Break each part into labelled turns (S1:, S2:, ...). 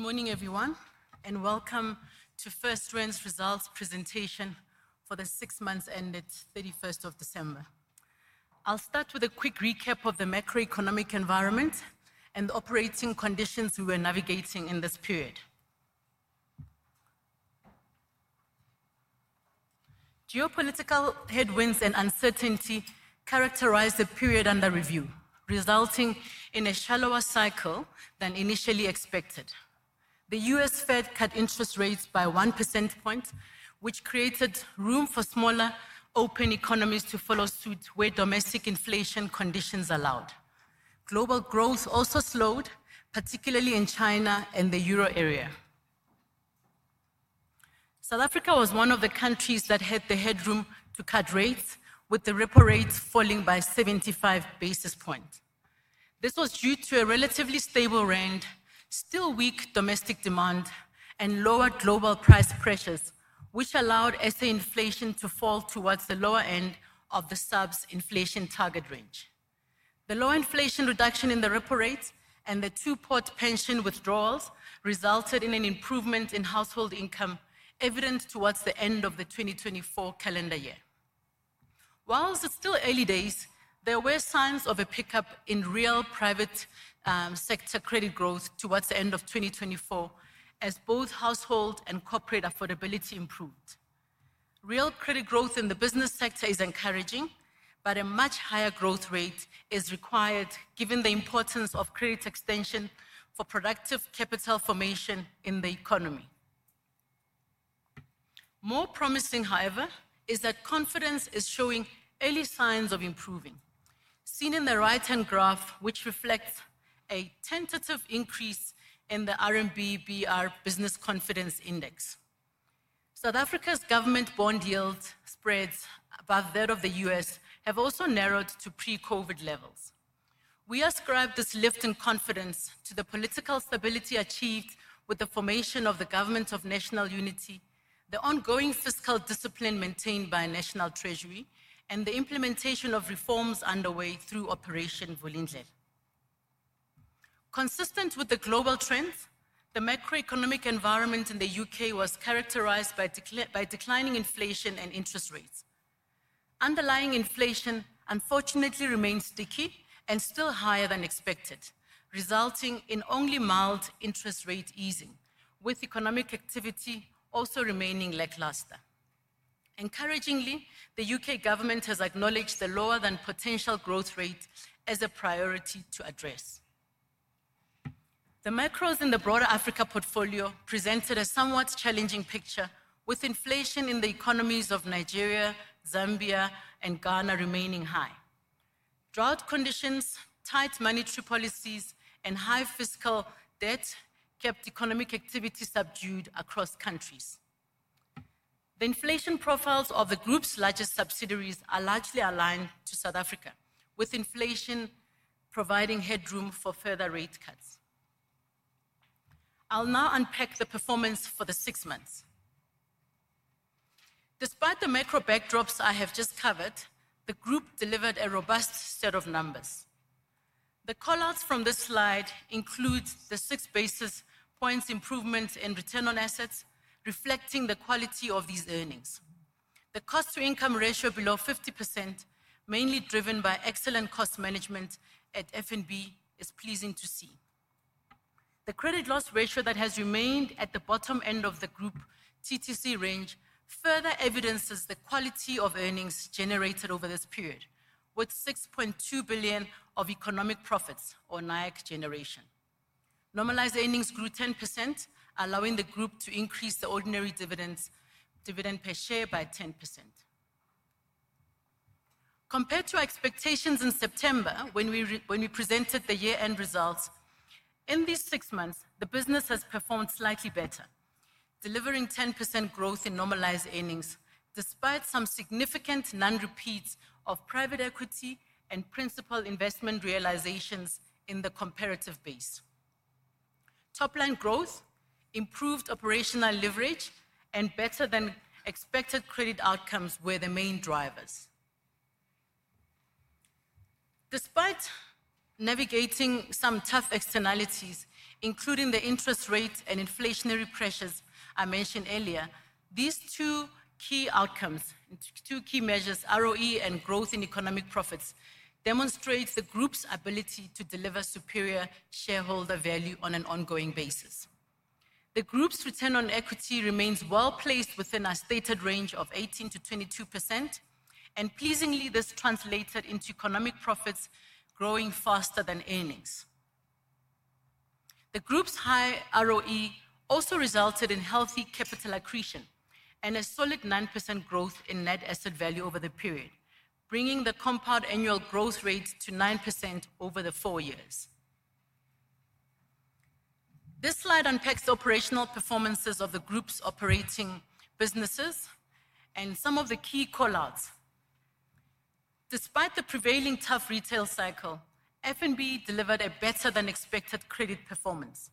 S1: Good morning, everyone, and welcome to FirstRand's results presentation for the six months ended 31st of December. I'll start with a quick recap of the macroeconomic environment and the operating conditions we were navigating in this period. Geopolitical headwinds and uncertainty characterized the period under review, resulting in a shallower cycle than initially expected. The U.S. Fed cut interest rates by one percentage point, which created room for smaller open economies to follow suit where domestic inflation conditions allowed. Global growth also slowed, particularly in China and the Euro area. South Africa was one of the countries that had the headroom to cut rates, with the repo rates falling by 75 basis points. This was due to a relatively stable rand, still weak domestic demand, and lower global price pressures, which allowed inflation to fall towards the lower end of the SARB inflation target range. The low inflation reduction in the repo rate and the two-pot pension withdrawals resulted in an improvement in household income evident towards the end of the 2024 calendar year. While it's still early days, there were signs of a pickup in real private sector credit growth towards the end of 2024, as both household and corporate affordability improved. Real credit growth in the business sector is encouraging, but a much higher growth rate is required given the importance of credit extension for productive capital formation in the economy. More promising, however, is that confidence is showing early signs of improving, seen in the right-hand graph, which reflects a tentative increase in the RMB-BR business confidence index. South Africa's government bond yield spreads above that of the U.S. have also narrowed to pre-COVID levels. We ascribe this lift in confidence to the political stability achieved with the formation of the Government of National Unity, the ongoing fiscal discipline maintained by National Treasury, and the implementation of reforms underway through Operation Vulindlela. Consistent with the global trends, the macroeconomic environment in the U.K. was characterized by declining inflation and interest rates. Underlying inflation, unfortunately, remains sticky and still higher than expected, resulting in only mild interest rate easing, with economic activity also remaining lackluster. Encouragingly, the U.K. government has acknowledged the lower than potential growth rate as a priority to address. The macros in the broader Africa portfolio presented a somewhat challenging picture, with inflation in the economies of Nigeria, Zambia, and Ghana remaining high. Drought conditions, tight monetary policies, and high fiscal debt kept economic activity subdued across countries. The inflation profiles of the group's largest subsidiaries are largely aligned to South Africa, with inflation providing headroom for further rate cuts. I'll now unpack the performance for the six months. Despite the macro backdrops I have just covered, the group delivered a robust set of numbers. The callouts from this slide include the six basis points improvement in return on assets, reflecting the quality of these earnings. The cost-to-income ratio below 50%, mainly driven by excellent cost management at FNB, is pleasing to see. The credit loss ratio that has remained at the bottom end of the group TTC range further evidences the quality of earnings generated over this period, with 6.2 billion of economic profits or NIACC generation. Normalized earnings grew 10%, allowing the group to increase the ordinary dividend per share by 10%. Compared to expectations in September, when we presented the year-end results, in these six months, the business has performed slightly better, delivering 10% growth in normalized earnings despite some significant non-repeats of private equity and principal investment realizations in the comparative base. Top-line growth, improved operational leverage, and better-than-expected credit outcomes were the main drivers. Despite navigating some tough externalities, including the interest rate and inflationary pressures I mentioned earlier, these two key outcomes, two key measures, ROE and growth in economic profits, demonstrate the group's ability to deliver superior shareholder value on an ongoing basis. The group's return on equity remains well placed within our stated range of 18% to 22%, and pleasingly, this translated into economic profits growing faster than earnings. The group's high ROE also resulted in healthy capital accretion and a solid 9% growth in net asset value over the period, bringing the compound annual growth rate to 9% over the four years. This slide unpacks the operational performances of the group's operating businesses and some of the key callouts. Despite the prevailing tough retail cycle, FNB delivered a better-than-expected credit performance,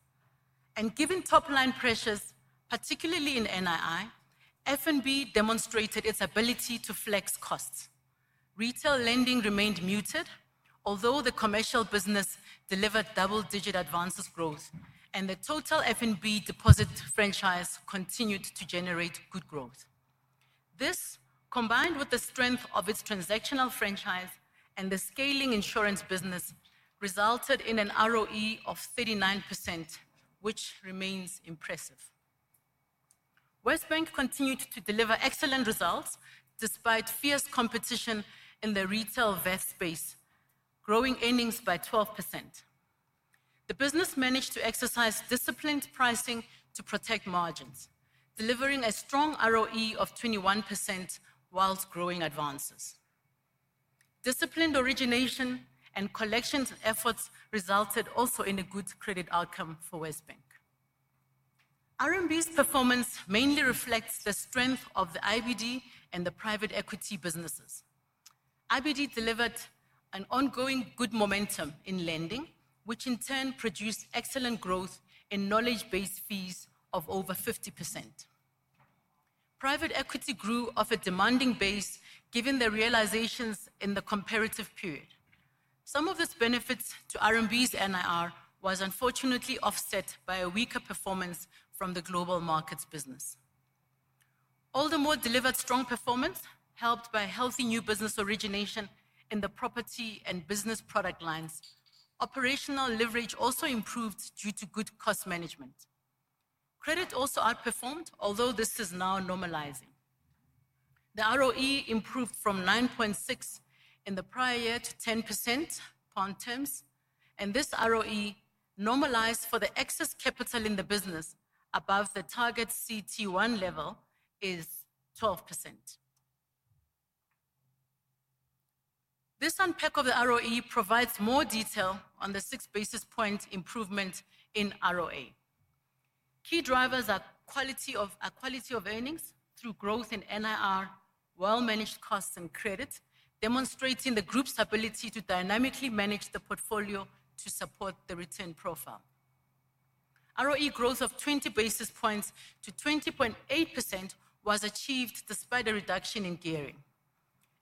S1: and given top-line pressures, particularly in NII, FNB demonstrated its ability to flex costs. Retail lending remained muted, although the commercial business delivered double-digit advances growth, and the total FNB deposit franchise continued to generate good growth. This, combined with the strength of its transactional franchise and the scaling insurance business, resulted in an ROE of 39%, which remains impressive. WesBank continued to deliver excellent results despite fierce competition in the retail vehicle space, growing earnings by 12%. The business managed to exercise disciplined pricing to protect margins, delivering a strong ROE of 21% while growing advances. Disciplined origination and collection efforts resulted also in a good credit outcome for WesBank. RMB's performance mainly reflects the strength of the IBD and the private equity businesses. IBD delivered an ongoing good momentum in lending, which in turn produced excellent growth in knowledge-based fees of over 50%. Private equity grew off a demanding base given the realizations in the comparative period. Some of this benefit to RMB's NIR was unfortunately offset by a weaker performance from the global markets business. Aldermore delivered strong performance helped by healthy new business origination in the property and business product lines. Operational leverage also improved due to good cost management. Credit also outperformed, although this is now normalizing. The ROE improved from 9.6% in the prior year to 10% upon terms, and this ROE normalized for the excess capital in the business above the target CT1 level is 12%. This unpack of the ROE provides more detail on the six basis point improvement in ROA. Key drivers are quality of earnings through growth in NIR, well-managed costs, and credit, demonstrating the group's ability to dynamically manage the portfolio to support the return profile. ROE growth of 20 basis points to 20.8% was achieved despite a reduction in gearing.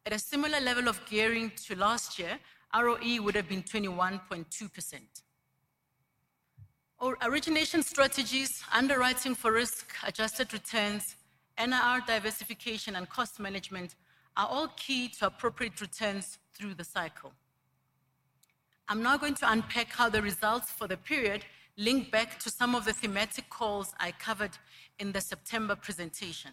S1: At a similar level of gearing to last year, ROE would have been 21.2%. Origination strategies, underwriting for risk, adjusted returns, NIR diversification, and cost management are all key to appropriate returns through the cycle. I'm now going to unpack how the results for the period link back to some of the thematic calls I covered in the September presentation.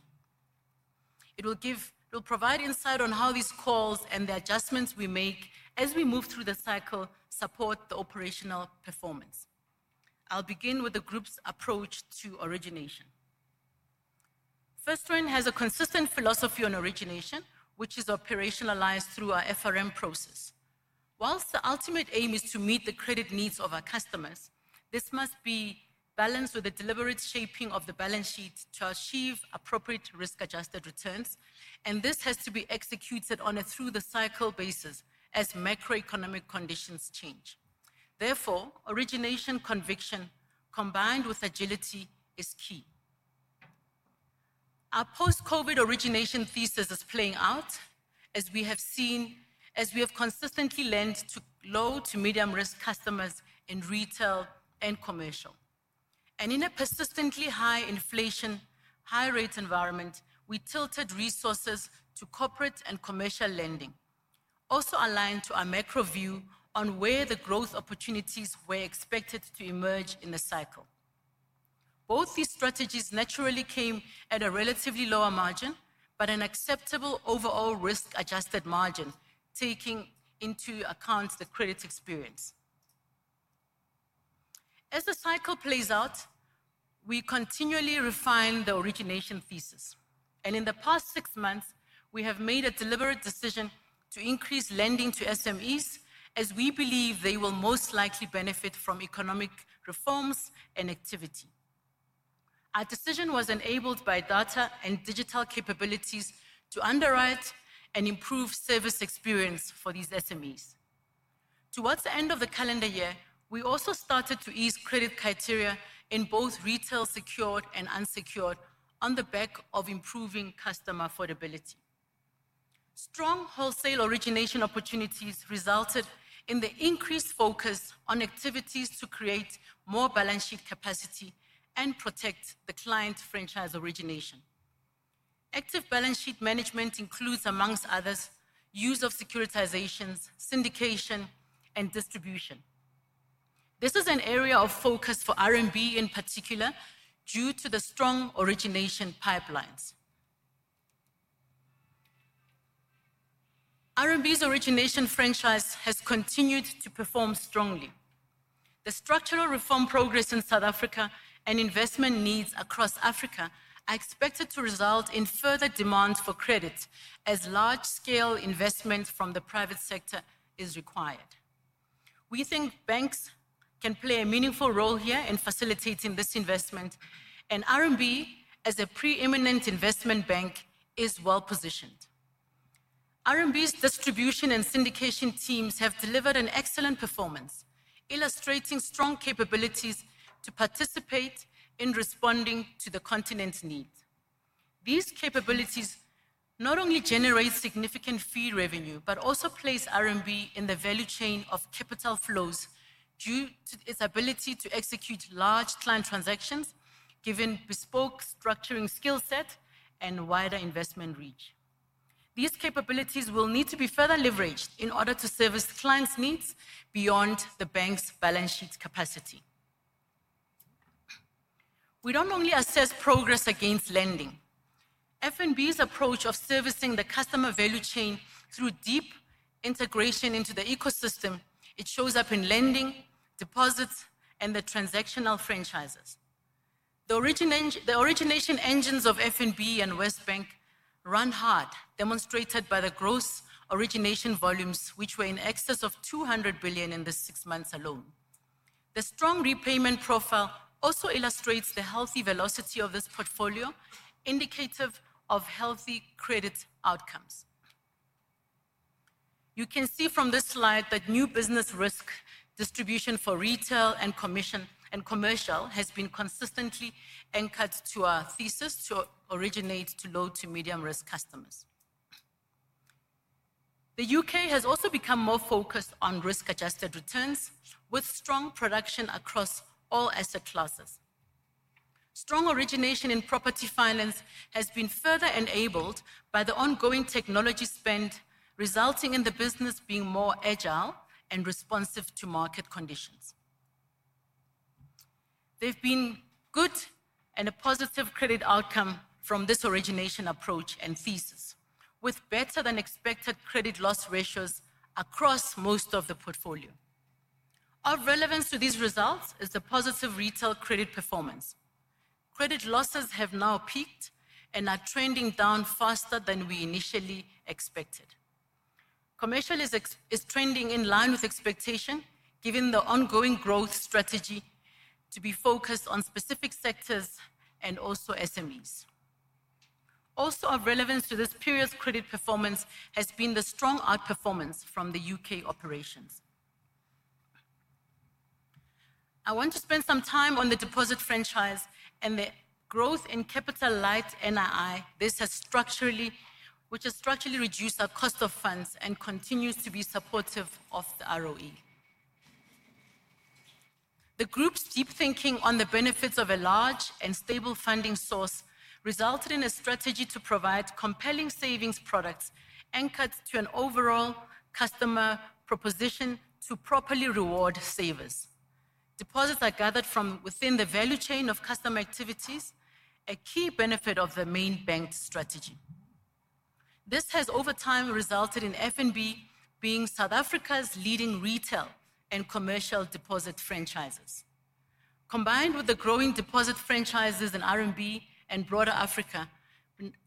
S1: It will provide insight on how these calls and the adjustments we make as we move through the cycle support the operational performance. I'll begin with the group's approach to origination. FirstRand has a consistent philosophy on origination, which is operationalized through our FRM process. While the ultimate aim is to meet the credit needs of our customers, this must be balanced with the deliberate shaping of the balance sheet to achieve appropriate risk-adjusted returns, and this has to be executed on a through-the-cycle basis as macroeconomic conditions change. Therefore, origination conviction combined with agility is key. Our post-COVID origination thesis is playing out as we have seen, as we have consistently lent to low to medium-risk customers in retail and commercial. In a persistently high inflation, high-rate environment, we tilted resources to corporate and commercial lending, also aligned to our macro view on where the growth opportunities were expected to emerge in the cycle. Both these strategies naturally came at a relatively lower margin, but an acceptable overall risk-adjusted margin taking into account the credit experience. As the cycle plays out, we continually refine the origination thesis. In the past six months, we have made a deliberate decision to increase lending to SMEs as we believe they will most likely benefit from economic reforms and activity. Our decision was enabled by data and digital capabilities to underwrite and improve service experience for these SMEs. Towards the end of the calendar year, we also started to ease credit criteria in both retail secured and unsecured on the back of improving customer affordability. Strong wholesale origination opportunities resulted in the increased focus on activities to create more balance sheet capacity and protect the client franchise origination. Active balance sheet management includes, among others, use of securitizations, syndication, and distribution. This is an area of focus for RMB in particular due to the strong origination pipelines. RMB's origination franchise has continued to perform strongly. The structural reform progress in South Africa and investment needs across Africa are expected to result in further demands for credit as large-scale investment from the private sector is required. We think banks can play a meaningful role here in facilitating this investment, and RMB, as a preeminent investment bank, is well positioned. RMB's distribution and syndication teams have delivered an excellent performance, illustrating strong capabilities to participate in responding to the continent's needs. These capabilities not only generate significant fee revenue, but also place RMB in the value chain of capital flows due to its ability to execute large client transactions, given bespoke structuring skill set and wider investment reach. These capabilities will need to be further leveraged in order to service clients' needs beyond the bank's balance sheet capacity. We don't only assess progress against lending. FNB's approach of servicing the customer value chain through deep integration into the ecosystem, it shows up in lending, deposits, and the transactional franchises. The origination engines of FNB and WesBank run hard, demonstrated by the gross origination volumes, which were in excess of 200 billion in the six months alone. The strong repayment profile also illustrates the healthy velocity of this portfolio, indicative of healthy credit outcomes. You can see from this slide that new business risk distribution for retail and commercial has been consistently anchored to our thesis to originate to low to medium-risk customers. The U.K. has also become more focused on risk-adjusted returns, with strong production across all asset classes. Strong origination in property finance has been further enabled by the ongoing technology spend, resulting in the business being more agile and responsive to market conditions. There have been good and a positive credit outcome from this origination approach and thesis, with better-than-expected credit loss ratios across most of the portfolio. Of relevance to these results is the positive retail credit performance. Credit losses have now peaked and are trending down faster than we initially expected. Commercial is trending in line with expectation, given the ongoing growth strategy to be focused on specific sectors and also SMEs. Also, of relevance to this period's credit performance has been the strong outperformance from the U.K. operations. I want to spend some time on the deposit franchise and the growth in capital light NII, which has structurally reduced our cost of funds and continues to be supportive of the ROE. The group's deep thinking on the benefits of a large and stable funding source resulted in a strategy to provide compelling savings products anchored to an overall customer proposition to properly reward savers. Deposits are gathered from within the value chain of customer activities, a key benefit of the main bank strategy. This has, over time, resulted in FNB being South Africa's leading retail and commercial deposit franchises. Combined with the growing deposit franchises in RMB and broader Africa,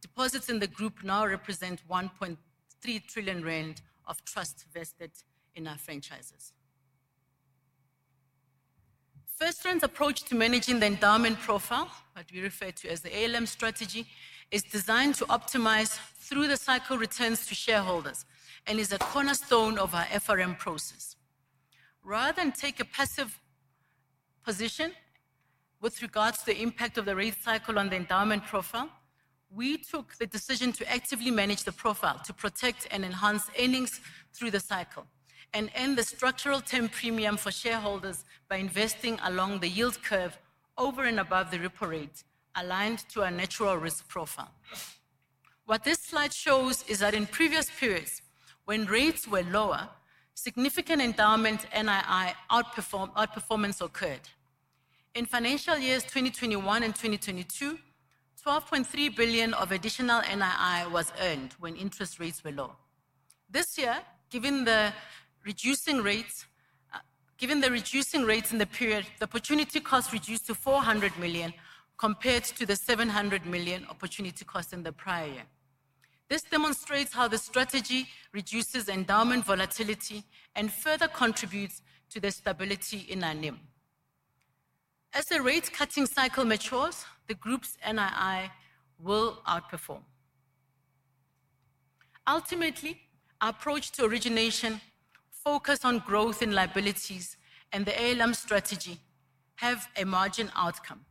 S1: deposits in the group now represent 1.3 trillion rand of trust vested in our franchises. FirstRand's approach to managing the endowment profile, what we refer to as the ALM strategy, is designed to optimize through-the-cycle returns to shareholders and is a cornerstone of our FRM process. Rather than take a passive position with regards to the impact of the rate cycle on the endowment profile, we took the decision to actively manage the profile to protect and enhance earnings through the cycle and end the structural term premium for shareholders by investing along the yield curve over and above the repo rate, aligned to our natural risk profile. What this slide shows is that in previous periods, when rates were lower, significant endowment NII outperformance occurred. In financial years 2021 and 2022, 12.3 billion of additional NII was earned when interest rates were low. This year, given the reducing rates in the period, the opportunity cost reduced to 400 million compared to the 700 million opportunity cost in the prior year. This demonstrates how the strategy reduces endowment volatility and further contributes to the stability in our NIM. As the rate-cutting cycle matures, the group's NII will outperform. Ultimately, our approach to origination, focus on growth in liabilities, and the ALM strategy have a margin outcome.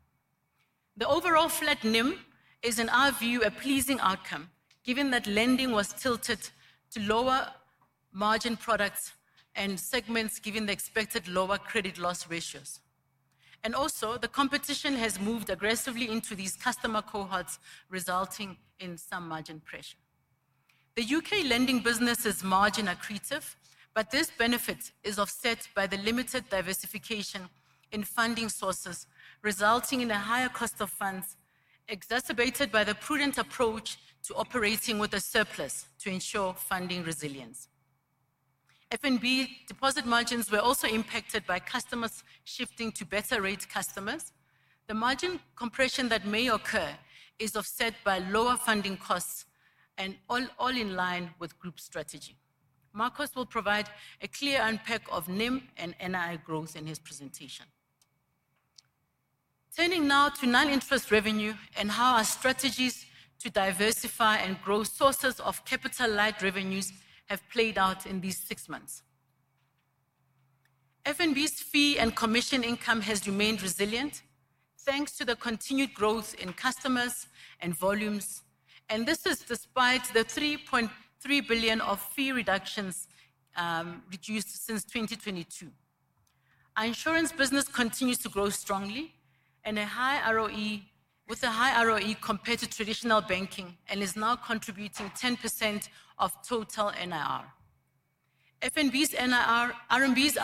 S1: The overall Flat NIM is, in our view, a pleasing outcome, given that lending was tilted to lower margin products and segments, given the expected lower credit loss ratios, and also, the competition has moved aggressively into these customer cohorts, resulting in some margin pressure. The UK lending business's margin is accretive, but this benefit is offset by the limited diversification in funding sources, resulting in a higher cost of funds, exacerbated by the prudent approach to operating with a surplus to ensure funding resilience. FNB deposit margins were also impacted by customers shifting to better rate customers. The margin compression that may occur is offset by lower funding costs, and all in line with group strategy. Markos will provide a clear unpack of NIM and NII growth in his presentation. Turning now to non-interest revenue and how our strategies to diversify and grow sources of capital-like revenues have played out in these six months. FNB's fee and commission income has remained resilient, thanks to the continued growth in customers and volumes, and this is despite the 3.3 billion of fee reductions since 2022. Our insurance business continues to grow strongly, and with a high ROE compared to traditional banking, and is now contributing 10% of total NIR. FNB's RMB's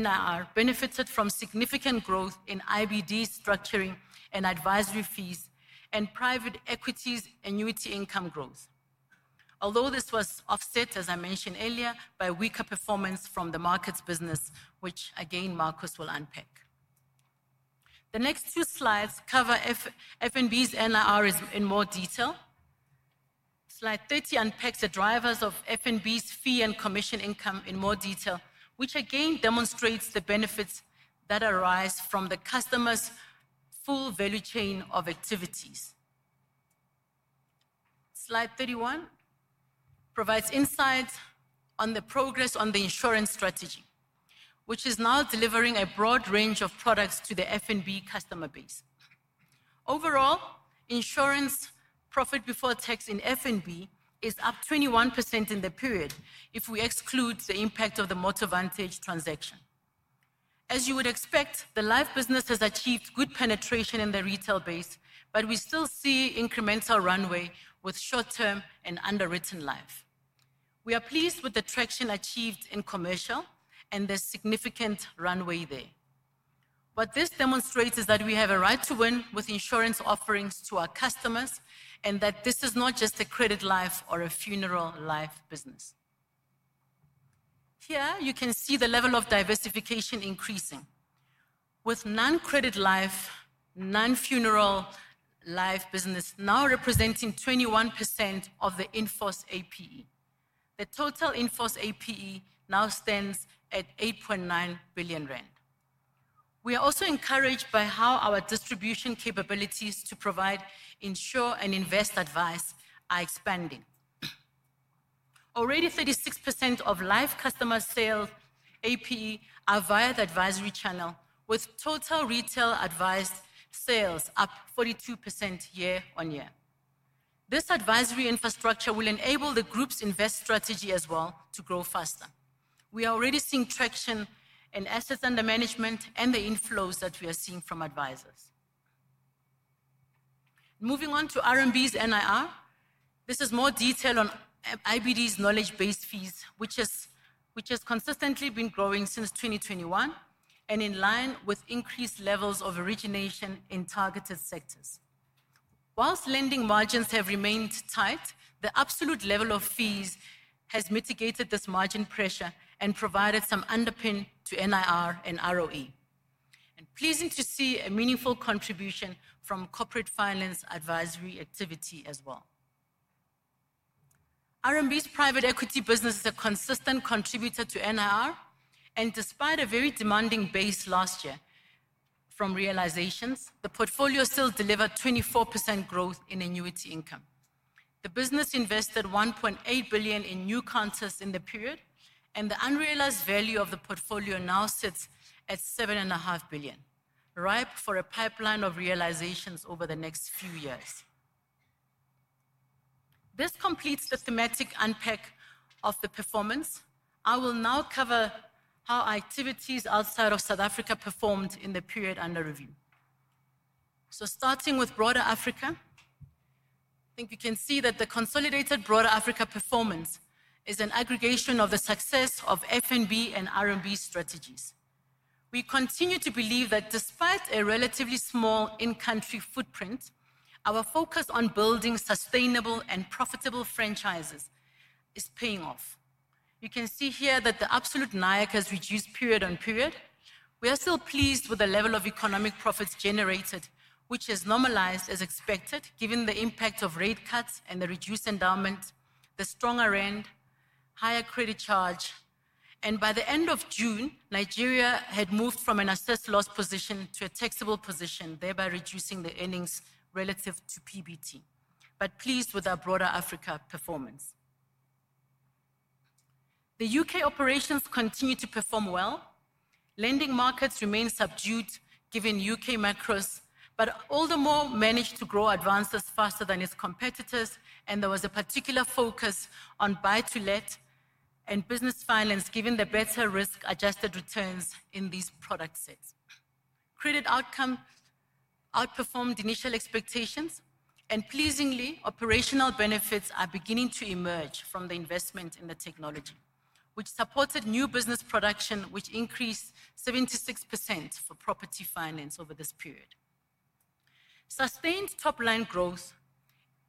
S1: NIR benefited from significant growth in IBD structuring and advisory fees and private equities annuity income growth, although this was offset, as I mentioned earlier, by weaker performance from the markets business, which again, Markos will unpack. The next two slides cover FNB's NIR in more detail. Slide 30 unpacks the drivers of FNB's fee and commission income in more detail, which again demonstrates the benefits that arise from the customer's full value chain of activities. Slide 31 provides insight on the progress on the insurance strategy, which is now delivering a broad range of products to the FNB customer base. Overall, insurance profit before tax in FNB is up 21% in the period if we exclude the impact of the MotoVantage transaction. As you would expect, the live business has achieved good penetration in the retail base, but we still see incremental runway with short-term and underwritten life. We are pleased with the traction achieved in commercial and the significant runway there. What this demonstrates is that we have a right to win with insurance offerings to our customers and that this is not just a credit life or a funeral life business. Here, you can see the level of diversification increasing, with non-credit life, non-funeral life business now representing 21% of the in-force APE. The total in-force APE now stands at 8.9 billion rand. We are also encouraged by how our distribution capabilities to provide, ensure, and invest advice are expanding. Already, 36% of live customer sales APE are via the advisory channel, with total retail advice sales up 42% year on year. This advisory infrastructure will enable the group's invest strategy as well to grow faster. We are already seeing traction in assets under management and the inflows that we are seeing from advisors. Moving on to RMB's NIR, this is more detail on IBD's knowledge-based fees, which has consistently been growing since 2021 and in line with increased levels of origination in targeted sectors. While lending margins have remained tight, the absolute level of fees has mitigated this margin pressure and provided some underpin to NIR and ROE. And pleasing to see a meaningful contribution from corporate finance advisory activity as well. RMB's private equity business is a consistent contributor to NIR, and despite a very demanding base last year from realizations, the portfolio still delivered 24% growth in annuity income. The business invested 1.8 billion in new counters in the period, and the unrealized value of the portfolio now sits at 7.5 billion, ripe for a pipeline of realizations over the next few years. This completes the thematic unpack of the performance. I will now cover how activities outside of South Africa performed in the period under review. So starting with broader Africa, I think you can see that the consolidated broader Africa performance is an aggregation of the success of FNB and RMB strategies. We continue to believe that despite a relatively small in-country footprint, our focus on building sustainable and profitable franchises is paying off. You can see here that the absolute NIACC has reduced period on period. We are still pleased with the level of economic profits generated, which has normalized as expected, given the impact of rate cuts and the reduced endowment, the stronger Rand, higher credit charge. And by the end of June, Nigeria had moved from an assessed loss position to a taxable position, thereby reducing the earnings relative to PBT. But pleased with our broader Africa performance. The U.K. operations continue to perform well. Lending markets remain subdued, given U.K. macros, but Aldermore managed to grow advances faster than its competitors, and there was a particular focus on buy-to-let and business finance, given the better risk-adjusted returns in these product sets. Credit outcome outperformed initial expectations, and pleasingly, operational benefits are beginning to emerge from the investment in the technology, which supported new business production, which increased 76% for property finance over this period. Sustained top-line growth,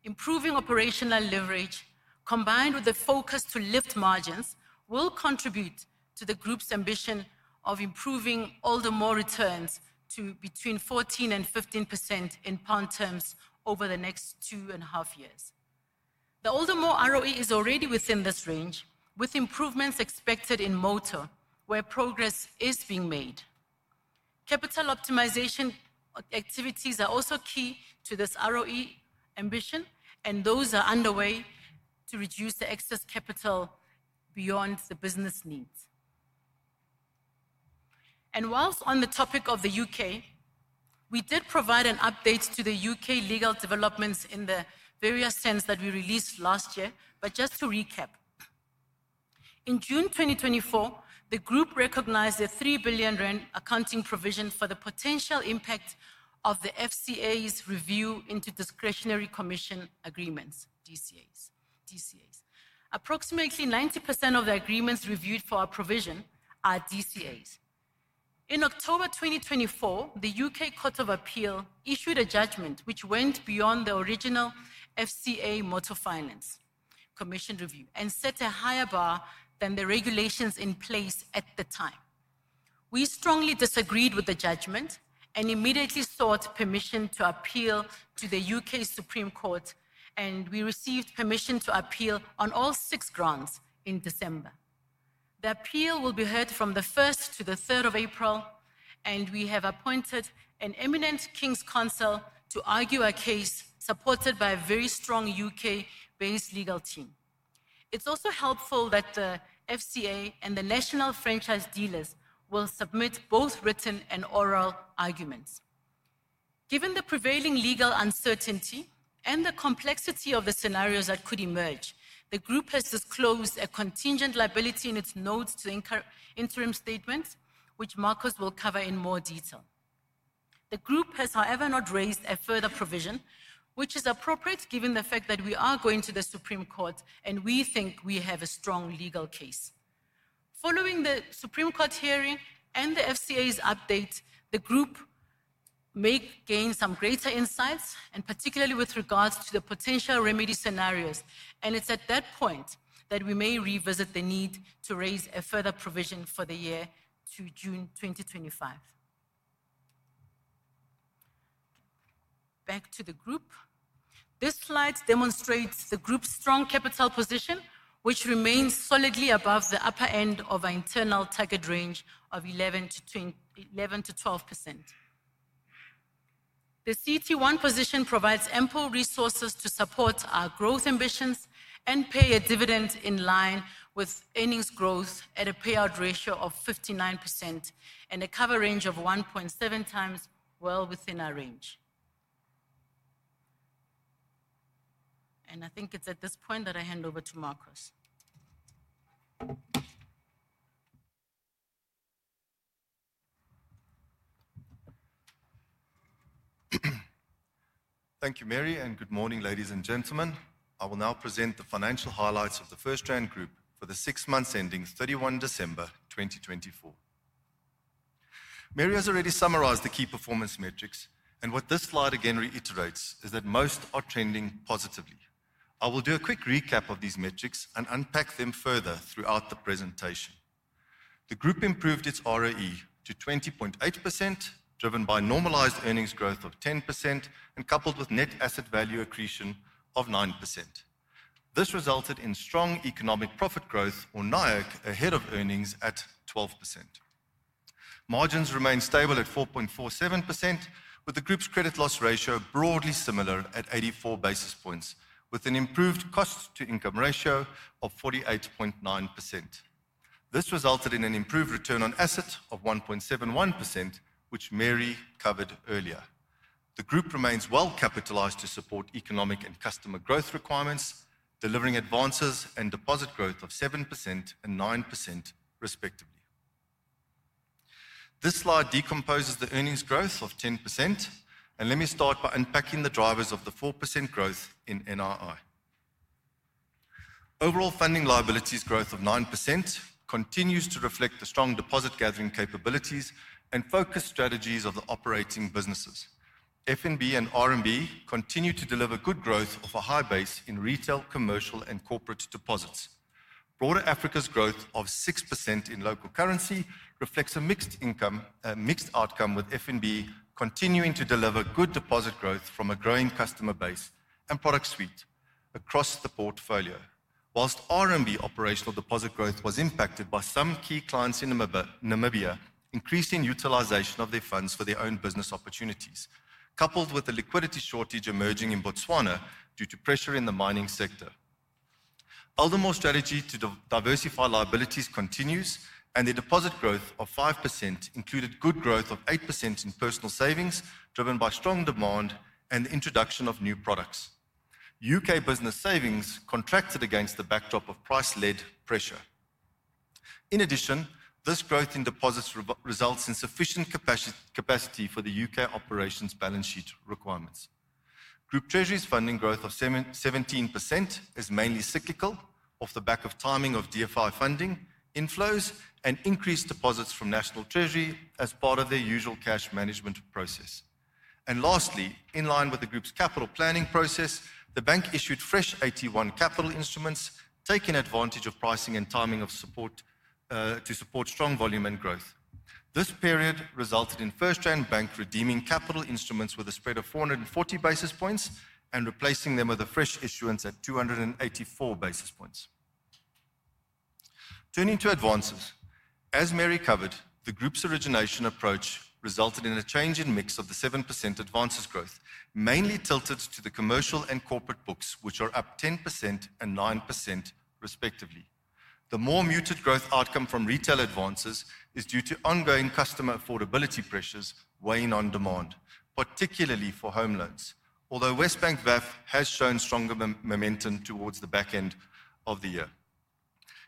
S1: improving operational leverage, combined with the focus to lift margins, will contribute to the group's ambition of improving all-the-more returns to between 14% and 15% in pound terms over the next two and a half years. The headline ROE is already within this range, with improvements expected in motor, where progress is being made. Capital optimization activities are also key to this ROE ambition, and those are underway to reduce the excess capital beyond the business needs. While on the topic of the U.K., we did provide an update to the U.K. legal developments in the results that we released last year, but just to recap. In June 2024, the group recognized the 3 billion rand accounting provision for the potential impact of the FCA's review into discretionary commission agreements, DCAs. Approximately 90% of the agreements reviewed for our provision are DCAs. In October 2024, the U.K. Court of Appeal issued a judgment which went beyond the original FCA motor finance commission review and set a higher bar than the regulations in place at the time. We strongly disagreed with the judgment and immediately sought permission to appeal to the U.K. Supreme Court, and we received permission to appeal on all six grounds in December. The appeal will be heard from the 1st to the 3rd of April, and we have appointed an eminent King's counsel to argue our case, supported by a very strong U.K.-based legal team. It's also helpful that the FCA and the national franchise dealers will submit both written and oral arguments. Given the prevailing legal uncertainty and the complexity of the scenarios that could emerge, the group has disclosed a contingent liability in its notes to interim statements, which Markos will cover in more detail. The group has, however, not raised a further provision, which is appropriate given the fact that we are going to the Supreme Court, and we think we have a strong legal case. Following the Supreme Court hearing and the FCA's update, the group may gain some greater insights, and particularly with regards to the potential remedy scenarios, and it's at that point that we may revisit the need to raise a further provision for the year to June 2025. Back to the group. This slide demonstrates the group's strong capital position, which remains solidly above the upper end of our internal target range of 11% to 12%. The CT1 position provides ample resources to support our growth ambitions and pay a dividend in line with earnings growth at a payout ratio of 59% and a cover range of 1.7 times, well within our range. I think it's at this point that I hand over to Markos.
S2: Thank you, Mary, and good morning, ladies and gentlemen. I will now present the financial highlights of the FirstRand Group for the six months ending 31 December 2024. Mary has already summarized the key performance metrics, and what this slide again reiterates is that most are trending positively. I will do a quick recap of these metrics and unpack them further throughout the presentation. The group improved its ROE to 20.8%, driven by normalized earnings growth of 10% and coupled with net asset value accretion of 9%. This resulted in strong economic profit growth, or NIACC, ahead of earnings at 12%. Margins remain stable at 4.47%, with the group's credit loss ratio broadly similar at 84 basis points, with an improved cost-to-income ratio of 48.9%. This resulted in an improved return on assets of 1.71%, which Mary covered earlier. The group remains well capitalized to support economic and customer growth requirements, delivering advances and deposit growth of 7% and 9%, respectively. This slide decomposes the earnings growth of 10%, and let me start by unpacking the drivers of the 4% growth in NII. Overall funding liabilities growth of 9% continues to reflect the strong deposit gathering capabilities and focused strategies of the operating businesses. FNB and RMB continue to deliver good growth off a high base in retail, commercial, and corporate deposits. Broader Africa's growth of 6% in local currency reflects a mixed outcome, with FNB continuing to deliver good deposit growth from a growing customer base and product suite across the portfolio, whilst RMB operational deposit growth was impacted by some key clients in Namibia increasing utilization of their funds for their own business opportunities, coupled with the liquidity shortage emerging in Botswana due to pressure in the mining sector. Aldermore's strategy to diversify liabilities continues, and the deposit growth of 5% included good growth of 8% in personal savings, driven by strong demand and the introduction of new products. U.K.. business savings contracted against the backdrop of price-led pressure. In addition, this growth in deposits results in sufficient capacity for the U.K. operations balance sheet requirements. Group treasuries funding growth of 17% is mainly cyclical off the back of timing of DFI funding inflows and increased deposits from National Treasury as part of their usual cash management process. And lastly, in line with the group's capital planning process, the bank issued fresh AT1 capital instruments, taking advantage of pricing and timing of support to support strong volume and growth. This period resulted in FirstRand Bank redeeming capital instruments with a spread of 440 basis points and replacing them with a fresh issuance at 284 basis points. Turning to advances, as Mary covered, the group's origination approach resulted in a change in mix of the 7% advances growth, mainly tilted to the commercial and corporate books, which are up 10% and 9%, respectively. The more muted growth outcome from retail advances is due to ongoing customer affordability pressures weighing on demand, particularly for home loans, although WesBank VAF has shown stronger momentum towards the back end of the year.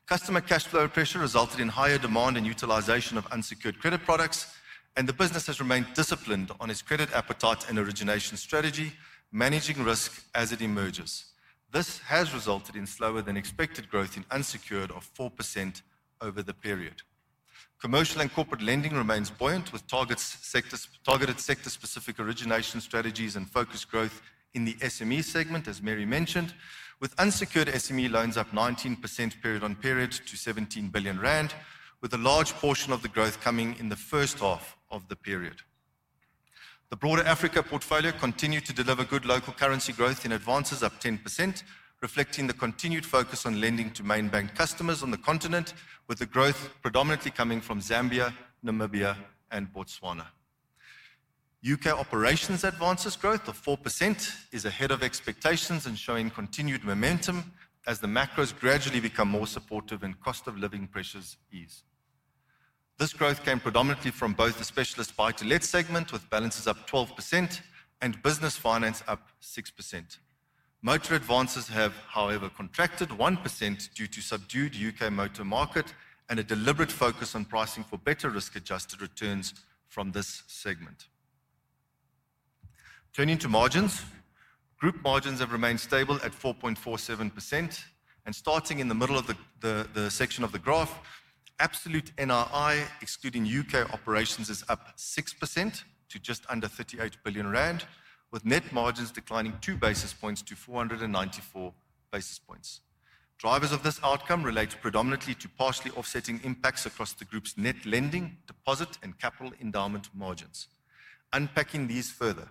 S2: Customer cash flow pressure resulted in higher demand and utilization of unsecured credit products, and the business has remained disciplined on its credit appetite and origination strategy, managing risk as it emerges. This has resulted in slower than expected growth in unsecured of 4% over the period. Commercial and corporate lending remains buoyant with targeted sector-specific origination strategies and focused growth in the SME segment, as Mary mentioned, with unsecured SME loans up 19% period on period to 17 billion rand, with a large portion of the growth coming in the first half of the period. The broader Africa portfolio continued to deliver good local currency growth in advances up 10%, reflecting the continued focus on lending to main bank customers on the continent, with the growth predominantly coming from Zambia, Namibia, and Botswana. U.K. operations advances growth of 4% is ahead of expectations and showing continued momentum as the macros gradually become more supportive and cost of living pressures ease. This growth came predominantly from both the specialist buy-to-let segment, with balances up 12% and business finance up 6%. Motor advances have, however, contracted 1% due to subdued U.K. motor market and a deliberate focus on pricing for better risk-adjusted returns from this segment. Turning to margins, group margins have remained stable at 4.47%, and starting in the middle of the section of the graph, absolute NII, excluding U.K. operations, is up 6% to just under 38 billion rand, with net margins declining two basis points to 494 basis points. Drivers of this outcome relate predominantly to partially offsetting impacts across the group's net lending, deposit, and capital endowment margins. Unpacking these further,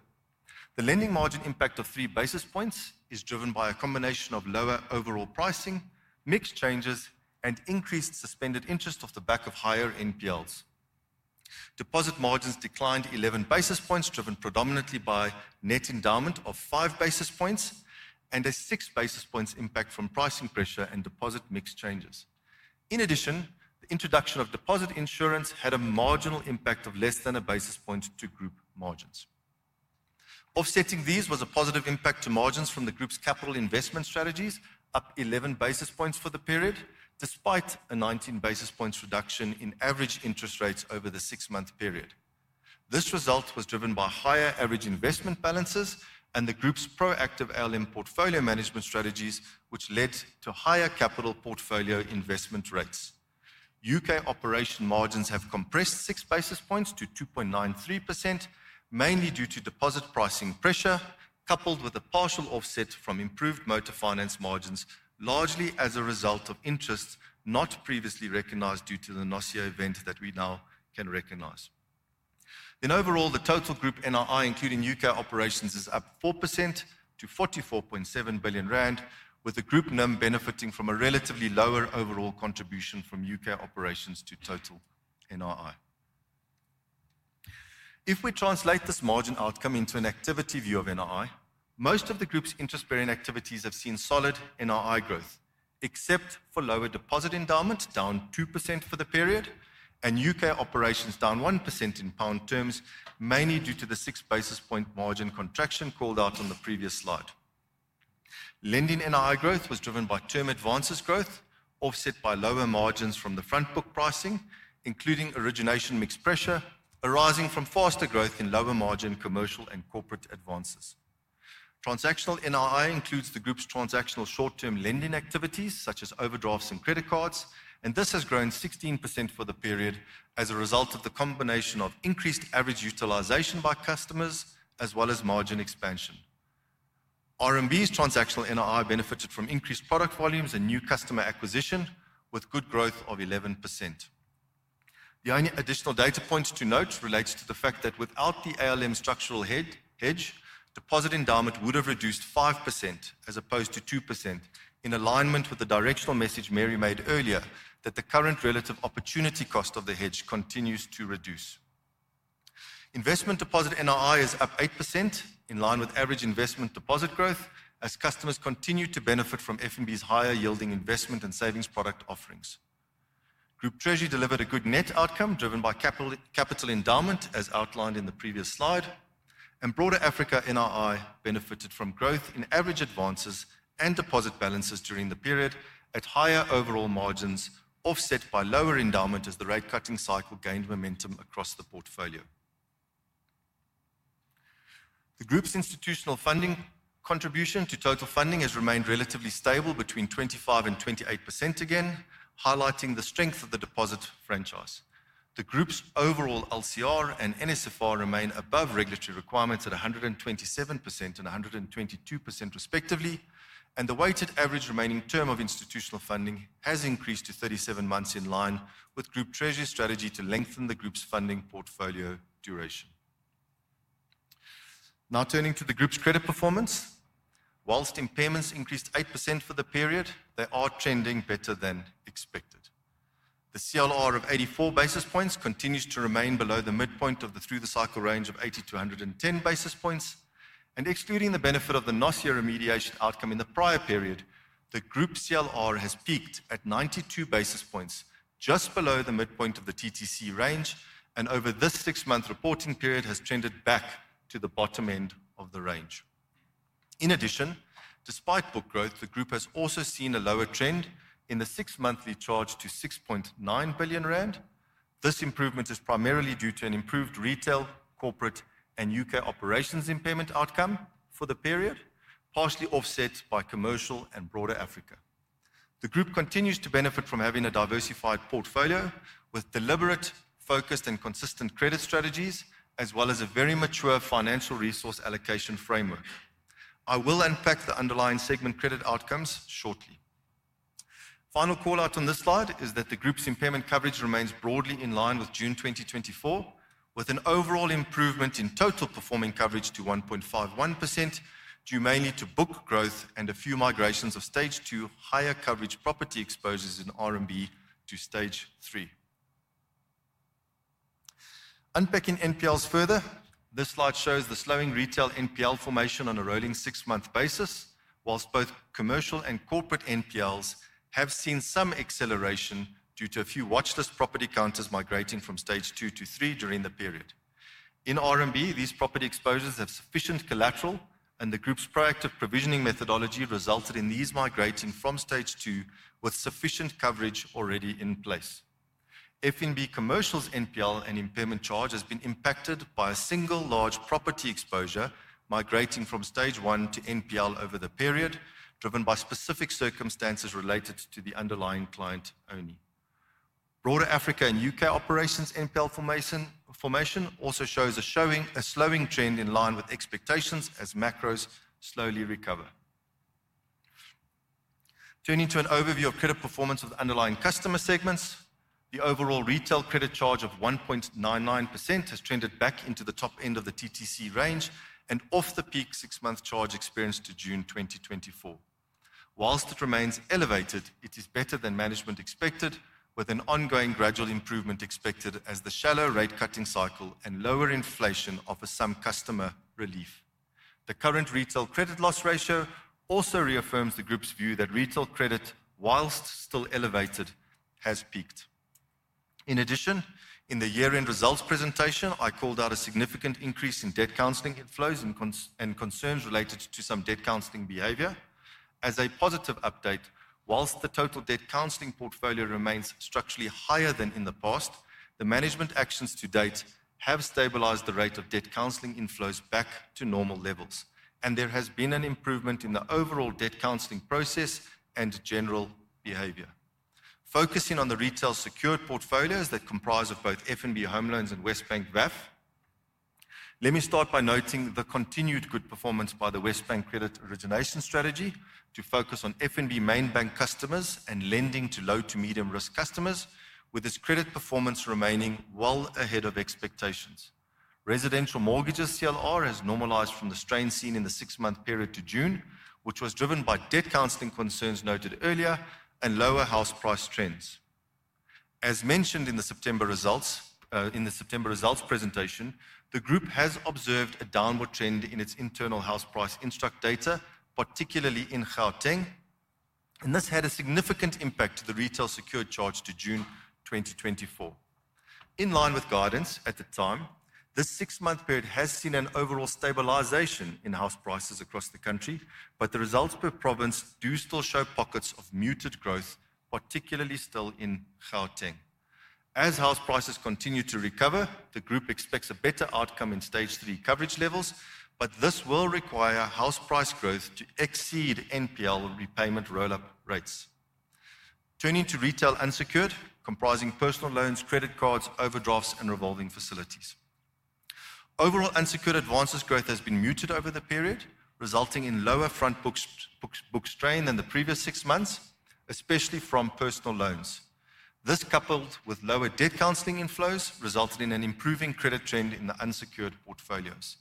S2: the lending margin impact of three basis points is driven by a combination of lower overall pricing, mixed changes, and increased suspended interest off the back of higher NPLs. Deposit margins declined 11 basis points, driven predominantly by net endowment of five basis points and a six basis points impact from pricing pressure and deposit mixed changes. In addition, the introduction of deposit insurance had a marginal impact of less than a basis point to group margins. Offsetting these was a positive impact to margins from the group's capital investment strategies, up 11 basis points for the period, despite a 19 basis points reduction in average interest rates over the six-month period. This result was driven by higher average investment balances and the group's proactive ALM portfolio management strategies, which led to higher capital portfolio investment rates. U.K. operation margins have compressed six basis points to 2.93%, mainly due to deposit pricing pressure, coupled with a partial offset from improved motor finance margins, largely as a result of interest not previously recognized due to the NASIO event that we now can recognize. In overall, the total group NII, including U.K. operations, is up 4% to 44.7 billion rand, with the group NIM benefiting from a relatively lower overall contribution from U.K. operations to total NII. If we translate this margin outcome into an activity view of NII, most of the group's interest-bearing activities have seen solid NII growth, except for lower deposit endowment, down 2% for the period, and U.K. operations down 1% in pound terms, mainly due to the six basis points margin contraction called out on the previous slide. Lending NII growth was driven by term advances growth, offset by lower margins from the front book pricing, including origination mixed pressure, arising from faster growth in lower margin commercial and corporate advances. Transactional NII includes the group's transactional short-term lending activities, such as overdrafts and credit cards, and this has grown 16% for the period as a result of the combination of increased average utilization by customers as well as margin expansion. RMB's transactional NII benefited from increased product volumes and new customer acquisition, with good growth of 11%. The only additional data point to note relates to the fact that without the ALM structural hedge, deposit endowment would have reduced 5% as opposed to 2%, in alignment with the directional message Mary made earlier that the current relative opportunity cost of the hedge continues to reduce. Investment deposit NII is up 8%, in line with average investment deposit growth, as customers continue to benefit from FNB's higher yielding investment and savings product offerings. Group treasury delivered a good net outcome driven by capital endowment, as outlined in the previous slide, and broader Africa NII benefited from growth in average advances and deposit balances during the period at higher overall margins, offset by lower endowment as the rate cutting cycle gained momentum across the portfolio. The group's institutional funding contribution to total funding has remained relatively stable between 25% and 28% again, highlighting the strength of the deposit franchise. The group's overall LCR and NSFR remain above regulatory requirements at 127% and 122%, respectively, and the weighted average remaining term of institutional funding has increased to 37 months in line with group treasury strategy to lengthen the group's funding portfolio duration. Now turning to the group's credit performance, while impairments increased 8% for the period, they are trending better than expected. The CLR of 84 basis points continues to remain below the midpoint of the through-the-cycle range of 80 to 110 basis points, and excluding the benefit of the NASIO remediation outcome in the prior period, the group CLR has peaked at 92 basis points, just below the midpoint of the TTC range, and over this six-month reporting period has trended back to the bottom end of the range. In addition, despite book growth, the group has also seen a lower trend in the six-monthly charge to 6.9 billion rand. This improvement is primarily due to an improved retail, corporate, and U.K. operations impairment outcome for the period, partially offset by commercial and broader Africa. The group continues to benefit from having a diversified portfolio with deliberate, focused, and consistent credit strategies, as well as a very mature financial resource allocation framework. I will unpack the underlying segment credit outcomes shortly. Final call out on this slide is that the group's impairment coverage remains broadly in line with June 2024, with an overall improvement in total performing coverage to 1.51% due mainly to book growth and a few migrations of stage two higher coverage property exposures in RMB to stage three. Unpacking NPLs further, this slide shows the slowing retail NPL formation on a rolling six-month basis, while both commercial and corporate NPLs have seen some acceleration due to a few watchlist property counterparties migrating from stage two to three during the period. In RMB, these property exposures have sufficient collateral, and the group's proactive provisioning methodology resulted in these migrating from stage two with sufficient coverage already in place. FNB commercial NPL and impairment charge has been impacted by a single large property exposure migrating from stage one to NPL over the period, driven by specific circumstances related to the underlying client only. Broader Africa and U.K. operations NPL formation also shows a slowing trend in line with expectations as macros slowly recover. Turning to an overview of credit performance of the underlying customer segments, the overall retail credit charge of 1.99% has trended back into the top end of the TTC range and off the peak six-month charge experienced to June 2024. Whilst it remains elevated, it is better than management expected, with an ongoing gradual improvement expected as the shallow rate cutting cycle and lower inflation offer some customer relief. The current retail credit loss ratio also reaffirms the group's view that retail credit, whilst still elevated, has peaked. In addition, in the year-end results presentation, I called out a significant increase in debt counseling inflows and concerns related to some debt counseling behavior. As a positive update, whilst the total debt counseling portfolio remains structurally higher than in the past, the management actions to date have stabilized the rate of debt counseling inflows back to normal levels, and there has been an improvement in the overall debt counseling process and general behavior. Focusing on the retail secured portfolios that comprise of both FNB home loans and WesBank VAF, let me start by noting the continued good performance by the WesBank credit origination strategy to focus on FNB main bank customers and lending to low to medium risk customers, with its credit performance remaining well ahead of expectations. Residential mortgages CLR has normalized from the strain seen in the six-month period to June, which was driven by debt counseling concerns noted earlier and lower house price trends. As mentioned in the September results in the September results presentation, the group has observed a downward trend in its internal house price index data, particularly in Gauteng, and this had a significant impact to the retail secured charge to June 2024. In line with guidance at the time, this six-month period has seen an overall stabilization in house prices across the country, but the results per province do still show pockets of muted growth, particularly still in Gauteng. As house prices continue to recover, the group expects a better outcome in stage three coverage levels, but this will require house price growth to exceed NPL repayment roll-up rates. Turning to retail unsecured, comprising personal loans, credit cards, overdrafts, and revolving facilities. Overall unsecured advances growth has been muted over the period, resulting in lower front book strain than the previous six months, especially from personal loans. This coupled with lower debt counseling inflows resulted in an improving credit trend in the unsecured portfolios.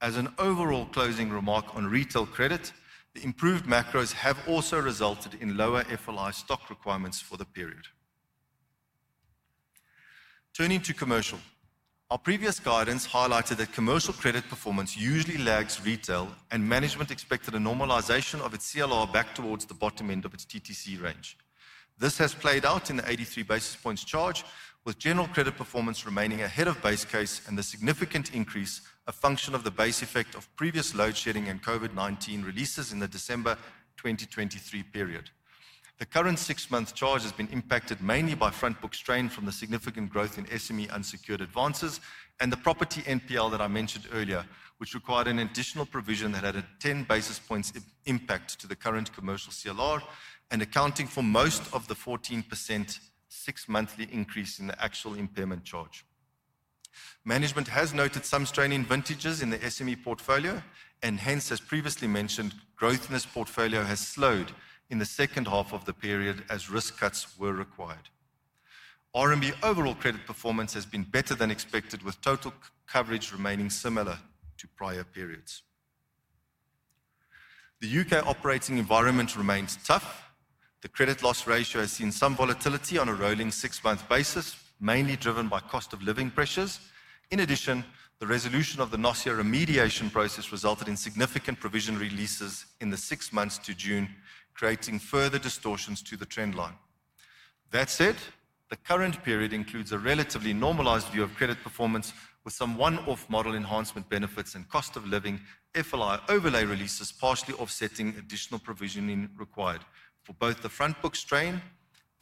S2: As an overall closing remark on retail credit, the improved macros have also resulted in lower FLI stock requirements for the period. Turning to commercial, our previous guidance highlighted that commercial credit performance usually lags retail, and management expected a normalization of its CLR back towards the bottom end of its TTC range. This has played out in the 83 basis points charge, with general credit performance remaining ahead of base case and the significant increase a function of the base effect of previous load shedding and COVID-19 releases in the December 2023 period. The current six-month charge has been impacted mainly by front book strain from the significant growth in SME unsecured advances and the property NPL that I mentioned earlier, which required an additional provision that had a 10 basis points impact to the current commercial CLR and accounting for most of the 14% six-monthly increase in the actual impairment charge. Management has noted some strain in vintages in the SME portfolio, and hence, as previously mentioned, growth in this portfolio has slowed in the second half of the period as risk cuts were required. RMB overall credit performance has been better than expected, with total coverage remaining similar to prior periods. The U.K. operating environment remains tough. The credit loss ratio has seen some volatility on a rolling six-month basis, mainly driven by cost of living pressures. In addition, the resolution of the NASIO remediation process resulted in significant provision releases in the six months to June, creating further distortions to the trend line. That said, the current period includes a relatively normalized view of credit performance, with some one-off model enhancement benefits and cost of living FLI overlay releases partially offsetting additional provisioning required for both the front book strain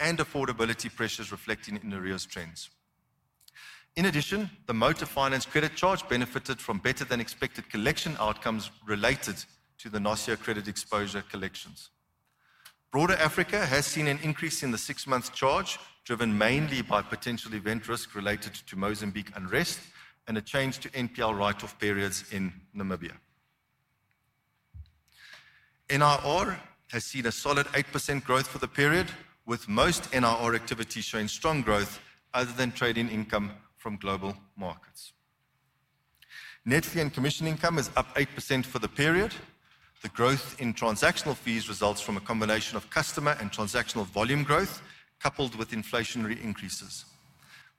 S2: and affordability pressures reflecting in the REOS trends. In addition, the motor finance credit charge benefited from better than expected collection outcomes related to the NASIO credit exposure collections. Broader Africa has seen an increase in the six-month charge, driven mainly by potential event risk related to Mozambique unrest and a change to NPL write-off periods in Namibia. NIR has seen a solid 8% growth for the period, with most NIR activity showing strong growth other than trading income from global markets. Net fee and commission income is up 8% for the period. The growth in transactional fees results from a combination of customer and transactional volume growth, coupled with inflationary increases.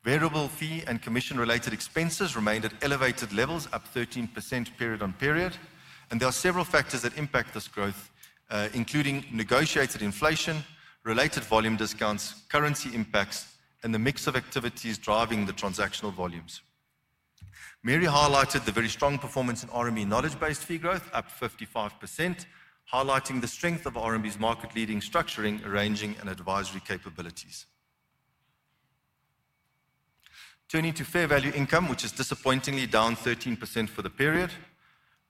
S2: Variable fee and commission-related expenses remained at elevated levels, up 13% period on period, and there are several factors that impact this growth, including negotiated inflation, related volume discounts, currency impacts, and the mix of activities driving the transactional volumes. Mary highlighted the very strong performance in RMB knowledge-based fee growth, up 55%, highlighting the strength of RMB's market-leading structuring, arranging, and advisory capabilities. Turning to fair value income, which is disappointingly down 13% for the period.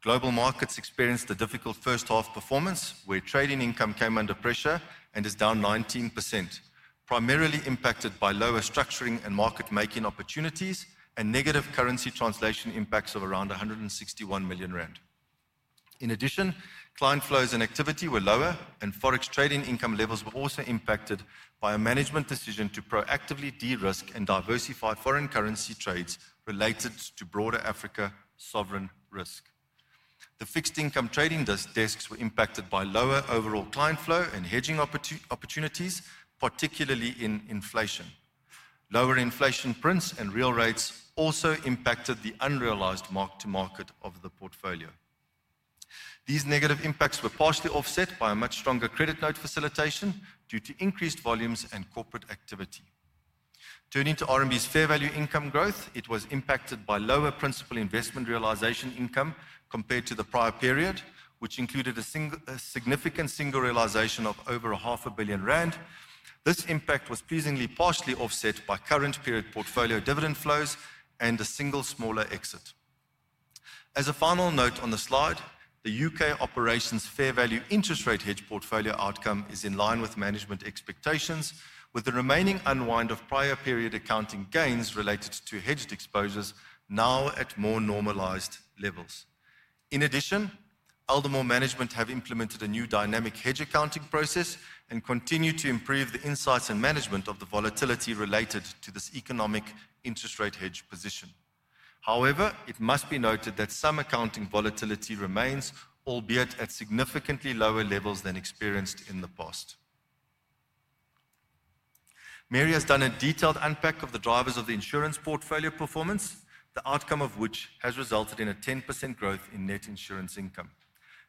S2: Global markets experienced a difficult first half performance, where trading income came under pressure and is down 19%, primarily impacted by lower structuring and market-making opportunities and negative currency translation impacts of around 161 million rand. In addition, client flows and activity were lower, and forex trading income levels were also impacted by a management decision to proactively de-risk and diversify foreign currency trades related to broader Africa sovereign risk. The fixed income trading desks were impacted by lower overall client flow and hedging opportunities, particularly in inflation. Lower inflation prints and real rates also impacted the unrealized mark-to-market of the portfolio. These negative impacts were partially offset by a much stronger credit note facilitation due to increased volumes and corporate activity. Turning to RMB's fair value income growth, it was impacted by lower principal investment realization income compared to the prior period, which included a significant single realization of over 500 million rand. This impact was pleasingly partially offset by current period portfolio dividend flows and a single smaller exit. As a final note on the slide, the U.K. operations fair value interest rate hedge portfolio outcome is in line with management expectations, with the remaining unwind of prior period accounting gains related to hedged exposures now at more normalized levels. In addition, Aldermore management have implemented a new dynamic hedge accounting process and continue to improve the insights and management of the volatility related to this economic interest rate hedge position. However, it must be noted that some accounting volatility remains, albeit at significantly lower levels than experienced in the past. Mary has done a detailed unpack of the drivers of the insurance portfolio performance, the outcome of which has resulted in a 10% growth in net insurance income.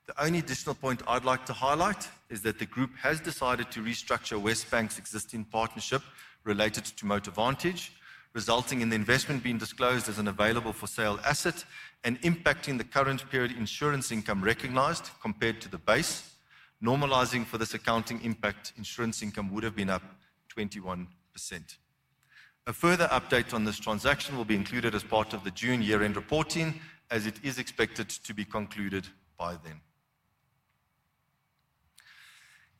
S2: The only additional point I'd like to highlight is that the group has decided to restructure WesBank's existing partnership related to MotoVantage, resulting in the investment being disclosed as an available for sale asset and impacting the current period insurance income recognized compared to the base. Normalizing for this accounting impact, insurance income would have been up 21%. A further update on this transaction will be included as part of the June year-end reporting, as it is expected to be concluded by then.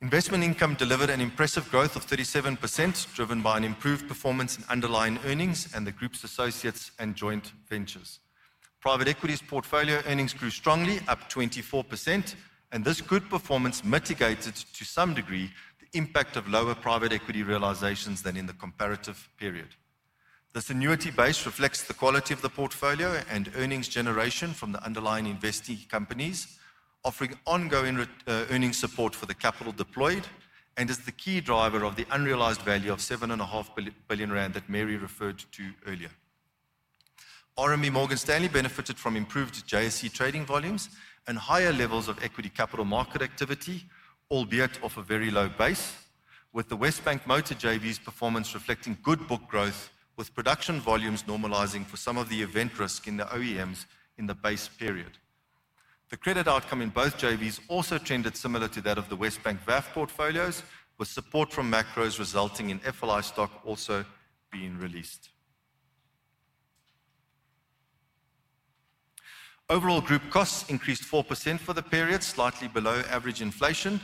S2: Investment income delivered an impressive growth of 37%, driven by an improved performance in underlying earnings and the group's associates and joint ventures. Private equity's portfolio earnings grew strongly, up 24%, and this good performance mitigated to some degree the impact of lower private equity realizations than in the comparative period. The annuity base reflects the quality of the portfolio and earnings generation from the underlying investing companies, offering ongoing earnings support for the capital deployed and is the key driver of the unrealized value of 7.5 billion rand that Mary referred to earlier. RMB Morgan Stanley benefited from improved JSC trading volumes and higher levels of equity capital market activity, albeit off a very low base, with the WesBank Motor JVs performance reflecting good book growth, with production volumes normalizing for some of the event risk in the OEMs in the base period. The credit outcome in both JVs also trended similar to that of the WesBank VAF portfolios, with support from macros resulting in FLI stock also being released. Overall group costs increased 4% for the period, slightly below average inflation.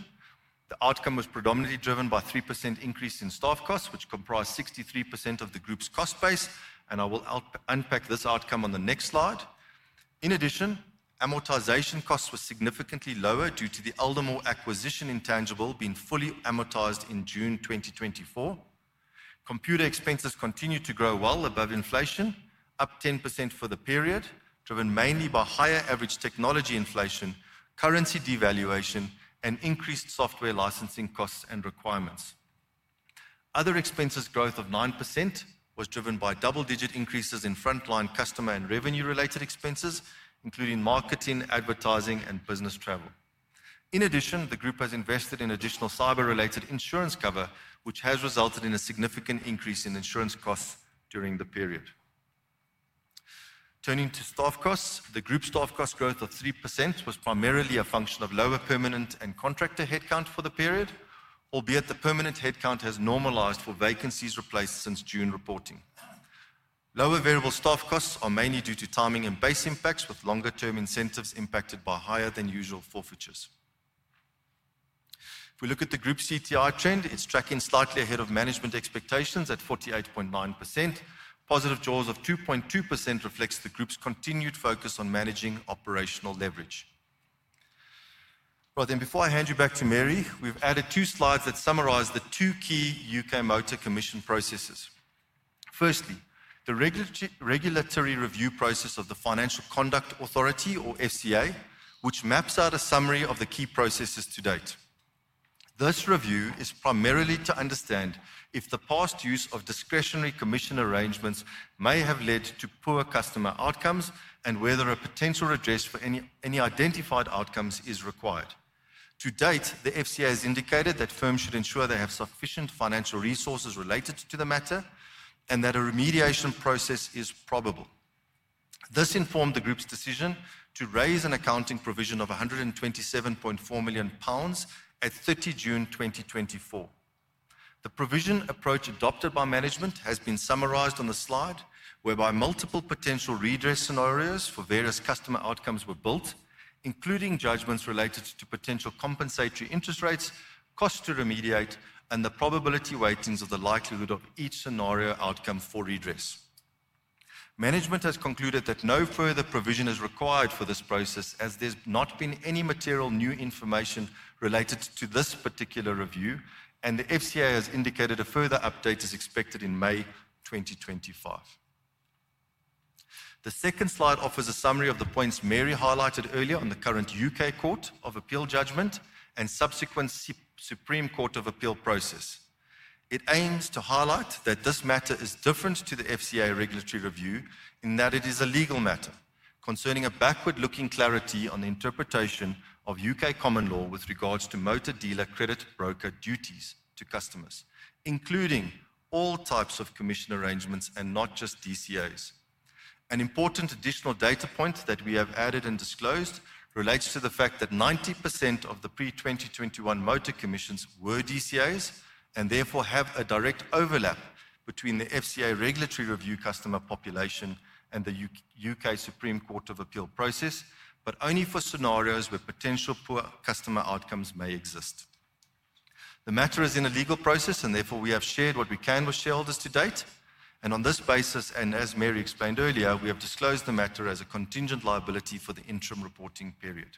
S2: The outcome was predominantly driven by a 3% increase in staff costs, which comprised 63% of the group's cost base, and I will unpack this outcome on the next slide. In addition, amortization costs were significantly lower due to the Aldermore acquisition intangible being fully amortized in June 2024. Computer expenses continued to grow well above inflation, up 10% for the period, driven mainly by higher average technology inflation, currency devaluation, and increased software licensing costs and requirements. Other expenses' growth of 9% was driven by double-digit increases in frontline customer and revenue-related expenses, including marketing, advertising, and business travel. In addition, the group has invested in additional cyber-related insurance cover, which has resulted in a significant increase in insurance costs during the period. Turning to staff costs, the group staff cost growth of 3% was primarily a function of lower permanent and contractor headcount for the period, albeit the permanent headcount has normalized for vacancies replaced since June reporting. Lower variable staff costs are mainly due to timing and base impacts, with longer-term incentives impacted by higher-than-usual forfeitures. If we look at the group's ETR trend, it's tracking slightly ahead of management expectations at 48.9%. Positive draws of 2.2% reflects the group's continued focus on managing operational leverage. Right then, before I hand you back to Mary, we've added two slides that summarize the two key UK motor commission processes. Firstly, the regulatory review process of the Financial Conduct Authority, or FCA, which maps out a summary of the key processes to date. This review is primarily to understand if the past use of discretionary commission arrangements may have led to poor customer outcomes and whether a potential address for any identified outcomes is required. To date, the FCA has indicated that firms should ensure they have sufficient financial resources related to the matter and that a remediation process is probable. This informed the group's decision to raise an accounting provision of 127.4 million pounds at 30 June 2024. The provision approach adopted by management has been summarized on the slide, whereby multiple potential redress scenarios for various customer outcomes were built, including judgments related to potential compensatory interest rates, costs to remediate, and the probability weightings of the likelihood of each scenario outcome for redress. Management has concluded that no further provision is required for this process, as there's not been any material new information related to this particular review, and the FCA has indicated a further update is expected in May 2025. The second slide offers a summary of the points Mary highlighted earlier on the current U.K. Court of Appeal judgment and subsequent Supreme Court of Appeal process. It aims to highlight that this matter is different to the FCA regulatory review in that it is a legal matter concerning a backward-looking clarity on the interpretation of U.K. common law with regards to motor dealer credit broker duties to customers, including all types of commission arrangements and not just DCAs. An important additional data point that we have added and disclosed relates to the fact that 90% of the pre-2021 motor commissions were DCAs and therefore have a direct overlap between the FCA regulatory review customer population and the U.K. Supreme Court of Appeal process, but only for scenarios where potential poor customer outcomes may exist. The matter is in a legal process, and therefore we have shared what we can with shareholders to date, and on this basis, and as Mary explained earlier, we have disclosed the matter as a contingent liability for the interim reporting period.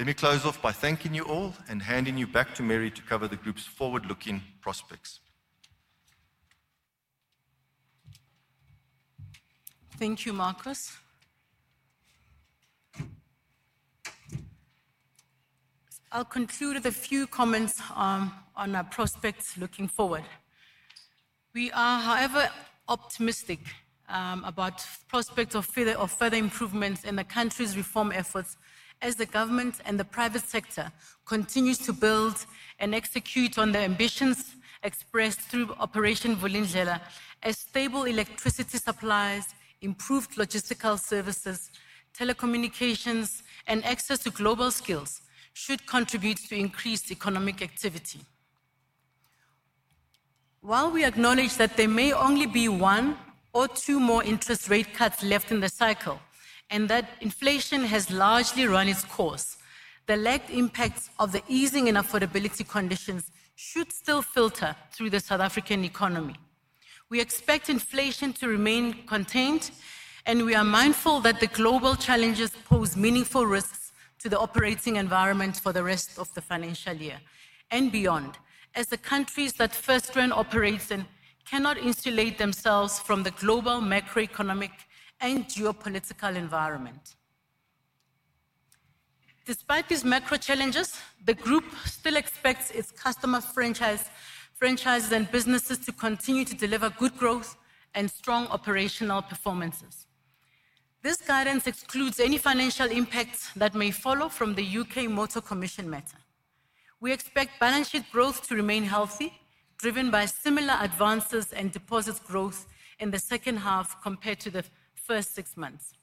S2: Let me close off by thanking you all and handing you back to Mary to cover the group's forward-looking prospects.
S1: Thank you, Markos. I'll conclude with a few comments on our prospects looking forward. We are, however, optimistic about the prospect of further improvements in the country's reform efforts as the government and the private sector continues to build and execute on the ambitions expressed through Operation Vulindlela, as stable electricity supplies, improved logistical services, telecommunications, and access to global skills should contribute to increased economic activity. While we acknowledge that there may only be one or two more interest rate cuts left in the cycle and that inflation has largely run its course, the lagged impacts of the easing in affordability conditions should still filter through the South African economy. We expect inflation to remain contained, and we are mindful that the global challenges pose meaningful risks to the operating environment for the rest of the financial year and beyond, as the countries that first-run operations cannot insulate themselves from the global macroeconomic and geopolitical environment. Despite these macro challenges, the group still expects its customer franchises and businesses to continue to deliver good growth and strong operational performances. This guidance excludes any financial impacts that may follow from the UK Motor Commission matter. We expect balance sheet growth to remain healthy, driven by similar advances and deposits growth in the second half compared to the first six months.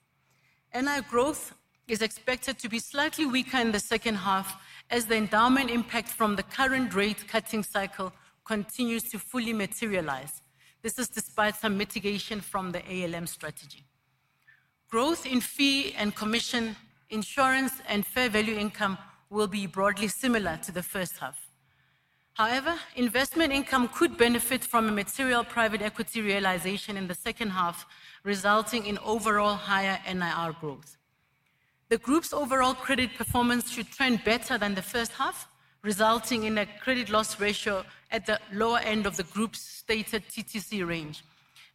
S1: NI growth is expected to be slightly weaker in the second half as the endowment impact from the current rate cutting cycle continues to fully materialize. This is despite some mitigation from the ALM strategy. Growth in fee and commission, insurance, and fair value income will be broadly similar to the first half. However, investment income could benefit from a material private equity realization in the second half, resulting in overall higher NIR growth. The group's overall credit performance should trend better than the first half, resulting in a credit loss ratio at the lower end of the group's stated TTC range,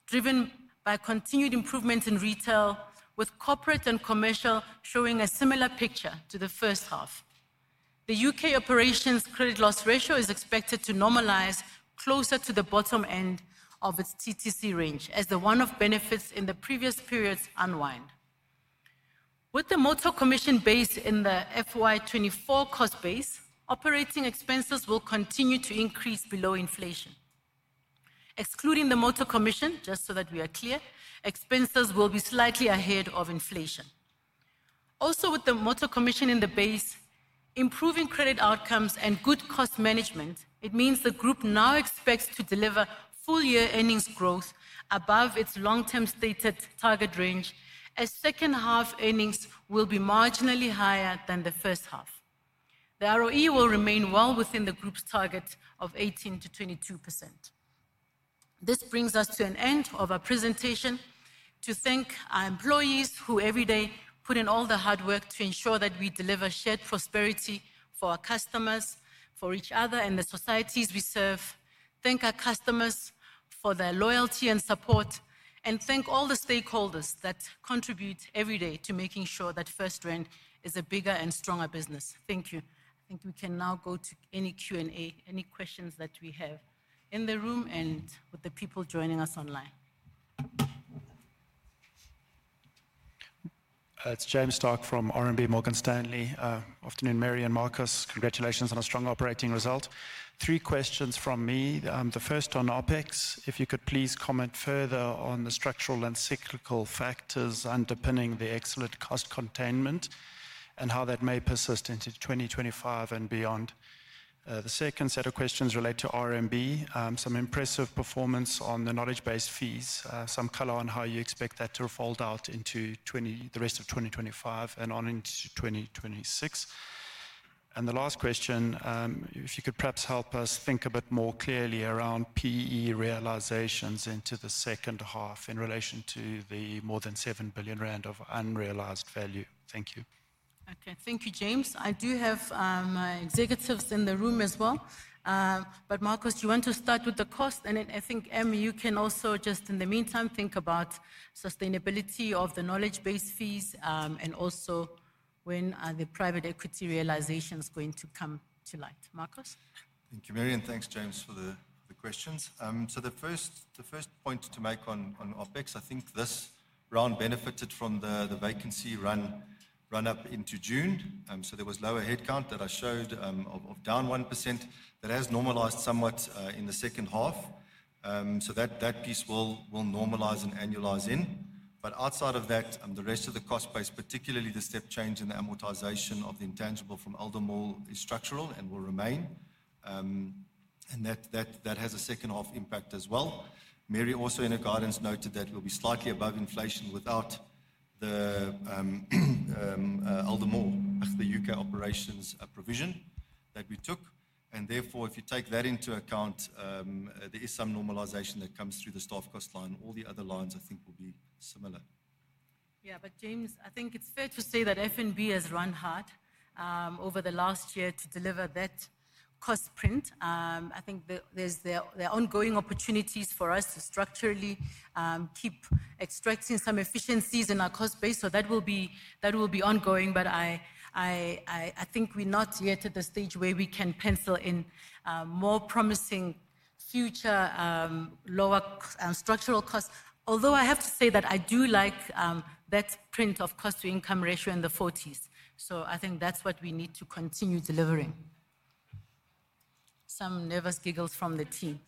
S1: driven by continued improvement in retail, with corporate and commercial showing a similar picture to the first half. The U.K. operations credit loss ratio is expected to normalize closer to the bottom end of its TTC range, as the one-off benefits in the previous periods unwind. With the motor commission based in the FY24 cost base, operating expenses will continue to increase below inflation. Excluding the motor commission, just so that we are clear, expenses will be slightly ahead of inflation. Also, with the motor commission in the base, improving credit outcomes and good cost management, it means the group now expects to deliver full year earnings growth above its long-term stated target range, as second half earnings will be marginally higher than the first half. The ROE will remain well within the group's target of 18% to 22%. This brings us to an end of our presentation. To thank our employees who every day put in all the hard work to ensure that we deliver shared prosperity for our customers, for each other and the societies we serve. Thank our customers for their loyalty and support, and thank all the stakeholders that contribute every day to making sure that FirstRand is a bigger and stronger business. Thank you. I think we can now go to any Q&A, any questions that we have in the room and with the people joining us online.
S3: It's James Starke from RMB Morgan Stanley. Afternoon, Mary and Markos. Congratulations on a strong operating result. Three questions from me. The first on OPEX, if you could please comment further on the structural and cyclical factors underpinning the excellent cost containment and how that may persist into 2025 and beyond. The second set of questions relate to RMB, some impressive performance on the knowledge-based fees, some color on how you expect that to fold out into the rest of 2025 and on into 2026. And the last question, if you could perhaps help us think a bit more clearly around PE realizations into the second half in relation to the more than GBP 7 billion of unrealized value. Thank you.
S1: Okay, thank you, James. I do have my executives in the room as well, but Markos, you want to start with the cost, and I think, Em, you can also just in the meantime think about sustainability of the knowledge-based fees and also when are the private equity realizations going to come to light? Markos?
S2: Thank you, Mary, and thanks, James, for the questions, so the first point to make on OPEX, I think this round benefited from the vacancy run-up into June, so there was lower headcount that I showed of down 1% that has normalized somewhat in the second half, so that piece will normalize and annualize in, but outside of that, the rest of the cost base, particularly the step change in the amortization of the intangible from Aldermore, is structural and will remain, and that has a second-half impact as well. Mary also in her guidance noted that we'll be slightly above inflation without the Aldermore, the U.K. operations provision that we took. And therefore, if you take that into account, there is some normalization that comes through the staff cost line. All the other lines, I think, will be similar.
S1: Yeah, but James, I think it's fair to say that FNB has run hard over the last year to deliver that cost print. I think there's the ongoing opportunities for us to structurally keep extracting some efficiencies in our cost base. So that will be ongoing. But I think we're not yet at the stage where we can pencil in more promising future lower structural costs. Although I have to say that I do like that print of cost-to-income ratio in the 40s. So I think that's what we need to continue delivering. Some nervous giggles from the team.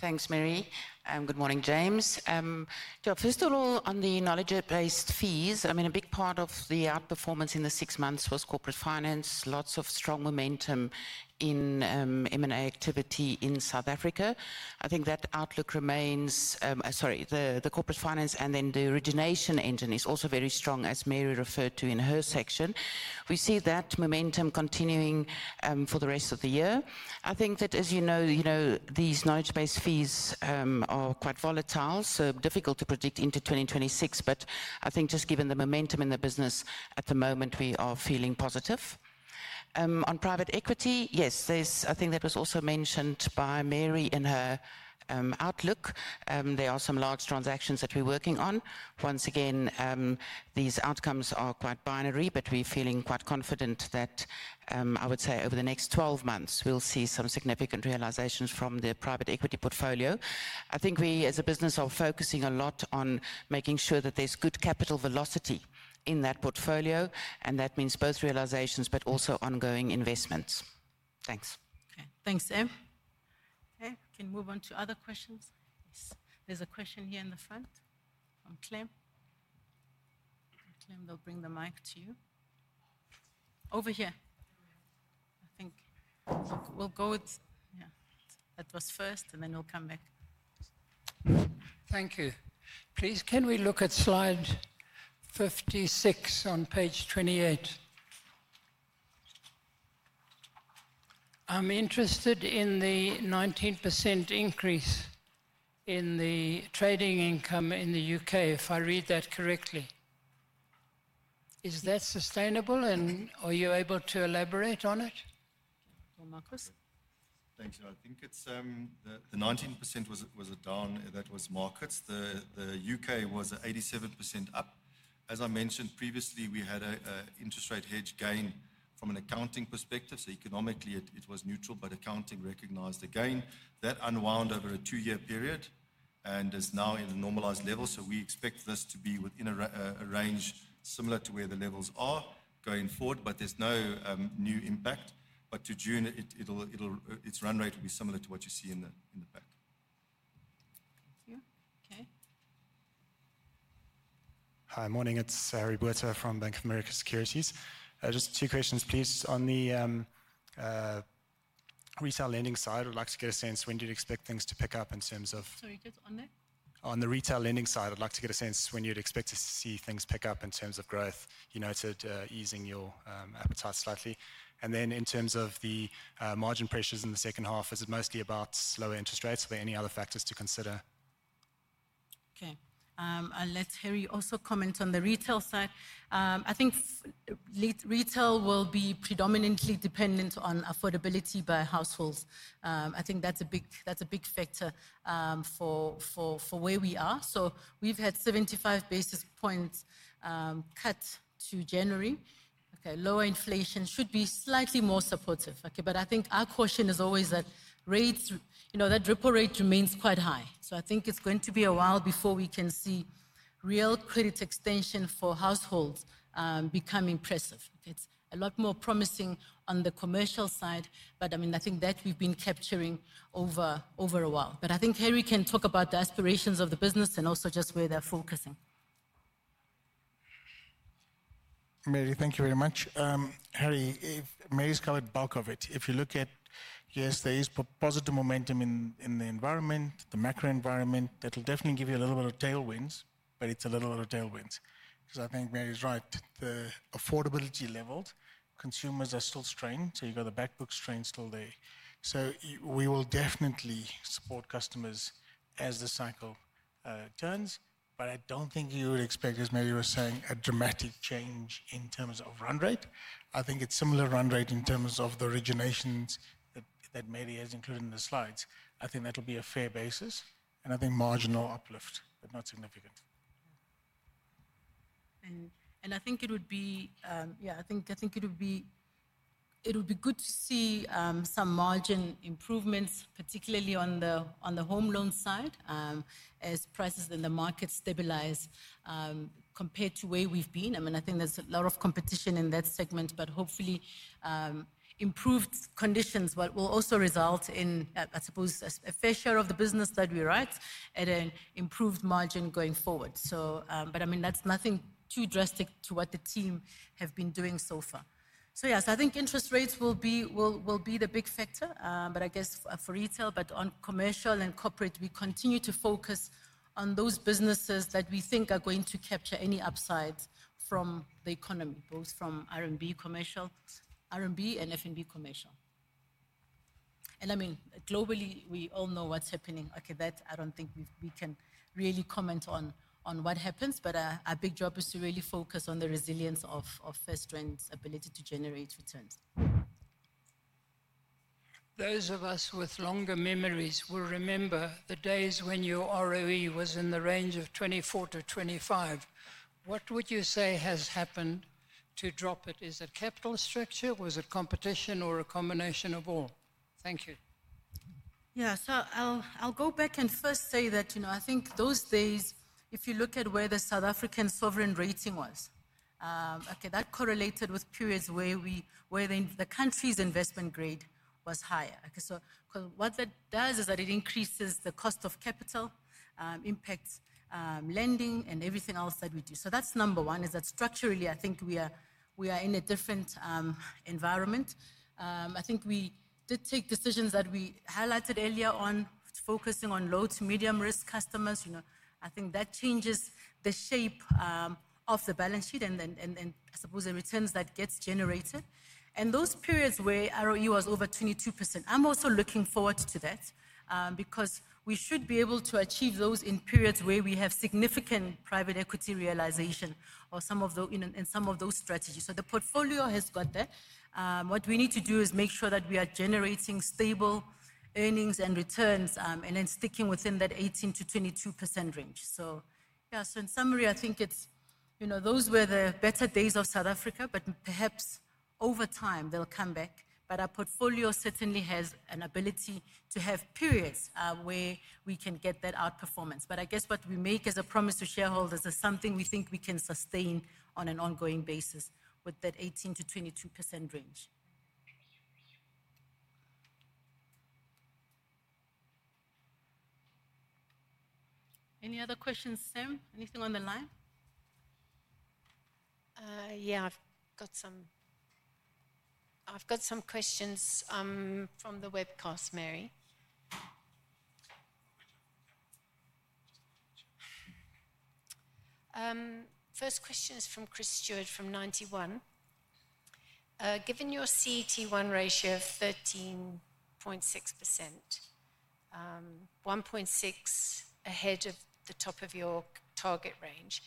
S4: Thanks, Mary. Good morning, James. First of all, on the knowledge-based fees, I mean, a big part of the outperformance in the six months was corporate finance, lots of strong momentum in M&A activity in South Africa. I think that outlook remains, sorry, the corporate finance and then the origination engine is also very strong, as Mary referred to in her section. We see that momentum continuing for the rest of the year. I think that, as you know, these knowledge-based fees are quite volatile, so difficult to predict into 2026. But I think just given the momentum in the business at the moment, we are feeling positive. On private equity, yes, there's, I think that was also mentioned by Mary in her outlook. There are some large transactions that we're working on. Once again, these outcomes are quite binary, but we're feeling quite confident that I would say over the next 12 months, we'll see some significant realizations from the private equity portfolio. I think we, as a business, are focusing a lot on making sure that there's good capital velocity in that portfolio, and that means both realizations, but also ongoing investments. Thanks.
S1: Thanks, Em. Okay, can we move on to other questions? There's a question here in the front from Clem. Clem, they'll bring the mic to you. Over here. I think we'll go with yeah, that was first, and then we'll come back. Thank you. Please, can we look at slide 56 on page 28? I'm interested in the 19% increase in the trading income in the UK, if I read that correctly. Is that sustainable, and are you able to elaborate on it?
S2: Thank you. I think it's the 19% was a down, that was markets. The U.K. was 87% up. As I mentioned previously, we had an interest rate hedge gain from an accounting perspective. So economically, it was neutral, but accounting recognized the gain. That unwound over a two-year period and is now at a normalized level. So we expect this to be within a range similar to where the levels are going forward, but there's no new impact. But to June, its run rate will be similar to what you see in the back.
S1: Thank you. Okay.
S5: Hi, morning. It's Harry Botha from Bank of America Securities. Just two questions, please. On the retail lending side, I'd like to get a sense when you'd expect things to pick up in terms of.
S1: Sorry, just on the.
S5: On the retail lending side, I'd like to get a sense when you'd expect to see things pick up in terms of growth. You noted easing your appetite slightly. And then in terms of the margin pressures in the second half, is it mostly about slower interest rates or any other factors to consider?
S1: Okay. And let Harry also comment on the retail side. I think retail will be predominantly dependent on affordability by households. I think that's a big factor for where we are. So we've had 75 basis points cut to January. Okay, lower inflation should be slightly more supportive. Okay, but I think our caution is always that rates, you know, that repo rate remains quite high. So I think it's going to be a while before we can see real credit extension for households become impressive. It's a lot more promising on the commercial side, but I mean, I think that we've been capturing over a while. But I think Harry can talk about the aspirations of the business and also just where they're focusing.
S2: Mary, thank you very much. Harry, Mary's covered bulk of it. If you look at, yes, there is positive momentum in the environment, the macro environment, that'll definitely give you a little bit of tailwinds, but it's a little bit of tailwinds. Because I think Mary's right. The affordability levels, consumers are still strained, so you've got the backbook strained still there. So we will definitely support customers as the cycle turns. But I don't think you would expect, as Mary was saying, a dramatic change in terms of run rate. I think it's similar run rate in terms of the originations that Mary has included in the slides. I think that'll be a fair basis. And I think marginal uplift, but not significant.
S1: And I think it would be, yeah, I think it would be good to see some margin improvements, particularly on the home loan side, as prices in the market stabilize compared to where we've been. I mean, I think there's a lot of competition in that segment, but hopefully improved conditions will also result in, I suppose, a fair share of the business that we write at an improved margin going forward. So, but I mean, that's nothing too drastic to what the team have been doing so far. So yeah, so I think interest rates will be the big factor, but I guess for retail, but on commercial and corporate, we continue to focus on those businesses that we think are going to capture any upside from the economy, both from RMB commercial, RMB and FNB commercial. And I mean, globally, we all know what's happening. Okay, that I don't think we can really comment on what happens, but our big job is to really focus on the resilience of FirstRand ability to generate returns.
S5: Those of us with longer memories will remember the days when your ROE was in the range of 24 to 25. What would you say has happened to drop it? Is it capital structure? Was it competition or a combination of all? Thank you.
S1: Yeah, so I'll go back and first say that, you know, I think those days, if you look at where the South African sovereign rating was, okay, that correlated with periods where the country's investment grade was higher. Okay, so what that does is that it increases the cost of capital, impacts lending and everything else that we do. So that's number one, is that structurally, I think we are in a different environment. I think we did take decisions that we highlighted earlier on, focusing on low to medium-risk customers. You know, I think that changes the shape of the balance sheet and I suppose the returns that gets generated. Those periods where ROE was over 22%, I'm also looking forward to that because we should be able to achieve those in periods where we have significant private equity realization or some of those in some of those strategies. So the portfolio has got that. What we need to do is make sure that we are generating stable earnings and returns and then sticking within that 18% to 22% range. So yeah, so in summary, I think it's, you know, those were the better days of South Africa, but perhaps over time they'll come back. But our portfolio certainly has an ability to have periods where we can get that outperformance. But I guess what we make as a promise to shareholders is something we think we can sustain on an ongoing basis with that 18% to 22% range. Any other questions, Sam? Anything on the line?
S6: Yeah, I've got some questions from the webcast, Mary. First question is from Chris Steward from Ninety One. Given your CT1 ratio of 13.6%, 1.6% ahead of the top of your target range,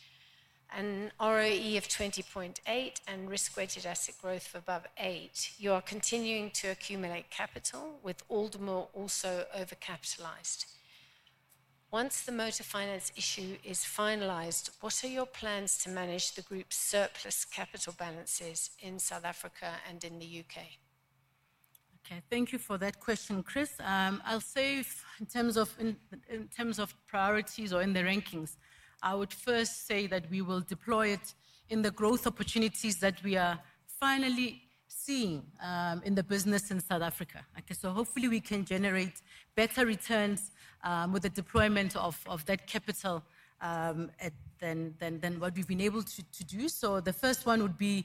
S6: and ROE of 20.8% and risk-weighted asset growth above 8%, you are continuing to accumulate capital with Aldermore also overcapitalized. Once the motor finance issue is finalized, what are your plans to manage the group's surplus capital balances in South Africa and in the U.K.?
S1: Okay, thank you for that question, Chris. I'll say in terms of priorities or in the rankings, I would first say that we will deploy it in the growth opportunities that we are finally seeing in the business in South Africa. Okay, so hopefully we can generate better returns with the deployment of that capital than what we've been able to do. So the first one would be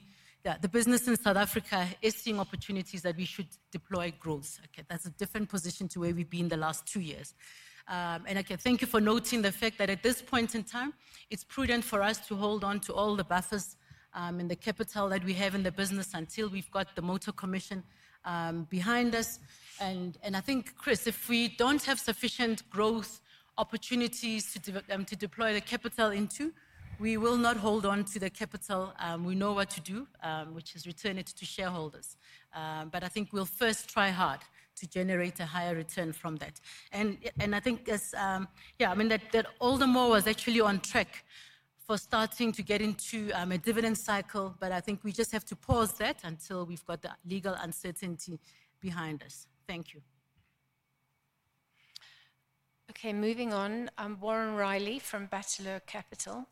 S1: the business in South Africa is seeing opportunities that we should deploy growth. Okay, that's a different position to where we've been the last two years. And okay, thank you for noting the fact that at this point in time, it's prudent for us to hold on to all the buffers in the capital that we have in the business until we've got the motor commission behind us. And I think, Chris, if we don't have sufficient growth opportunities to deploy the capital into, we will not hold on to the capital. We know what to do, which is return it to shareholders. But I think we'll first try hard to generate a higher return from that. I think, yeah, I mean, that Aldermore was actually on track for starting to get into a dividend cycle, but I think we just have to pause that until we've got the legal uncertainty behind us. Thank you.
S6: Okay, moving on, Warren Riley from Bateleur Capital.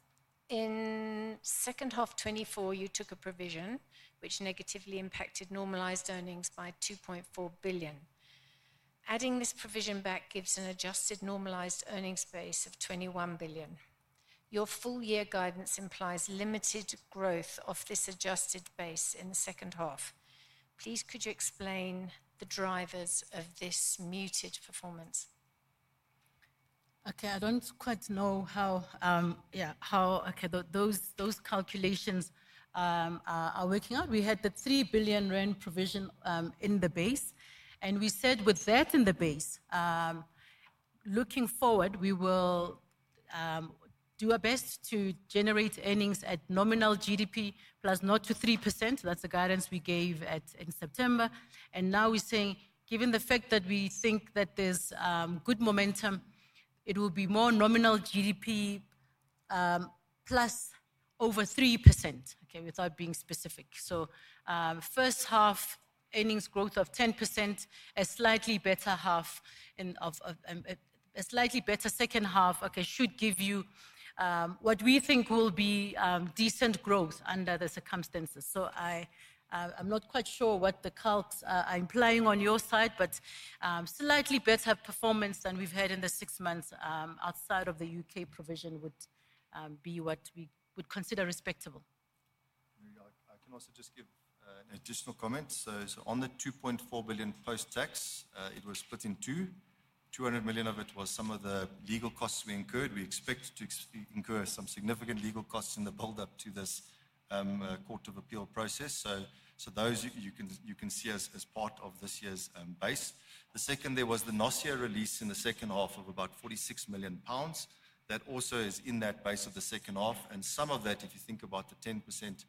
S6: In second half 2024, you took a provision which negatively impacted normalized earnings by 2.4 billion. Adding this provision back gives an adjusted normalized earnings base of 21 billion. Your full year guidance implies limited growth of this adjusted base in the second half. Please, could you explain the drivers of this muted performance?
S1: Okay, I don't quite know how, yeah, how those calculations are working out. We had the 3 billion Rand provision in the base. And we said with that in the base, looking forward, we will do our best to generate earnings at nominal GDP plus 0 to 3%. That's the guidance we gave in September. And now we're saying, given the fact that we think that there's good momentum, it will be more nominal GDP plus over 3%, okay, without being specific. So first half earnings growth of 10%, a slightly better half, a slightly better second half, okay, should give you what we think will be decent growth under the circumstances. So I'm not quite sure what the calcs are implying on your side, but slightly better performance than we've had in the six months outside of the U.K. provision would be what we would consider respectable.
S2: I can also just give an additional comment. So on the 2.4 billion post-tax, it was split in two. 200 million of it was some of the legal costs we incurred. We expect to incur some significant legal costs in the build-up to this Court of Appeal process. Those you can see as part of this year's base. The second, there was the NASIO release in the second half of about 46 million pounds. That also is in that base of the second half. And some of that, if you think about the 10%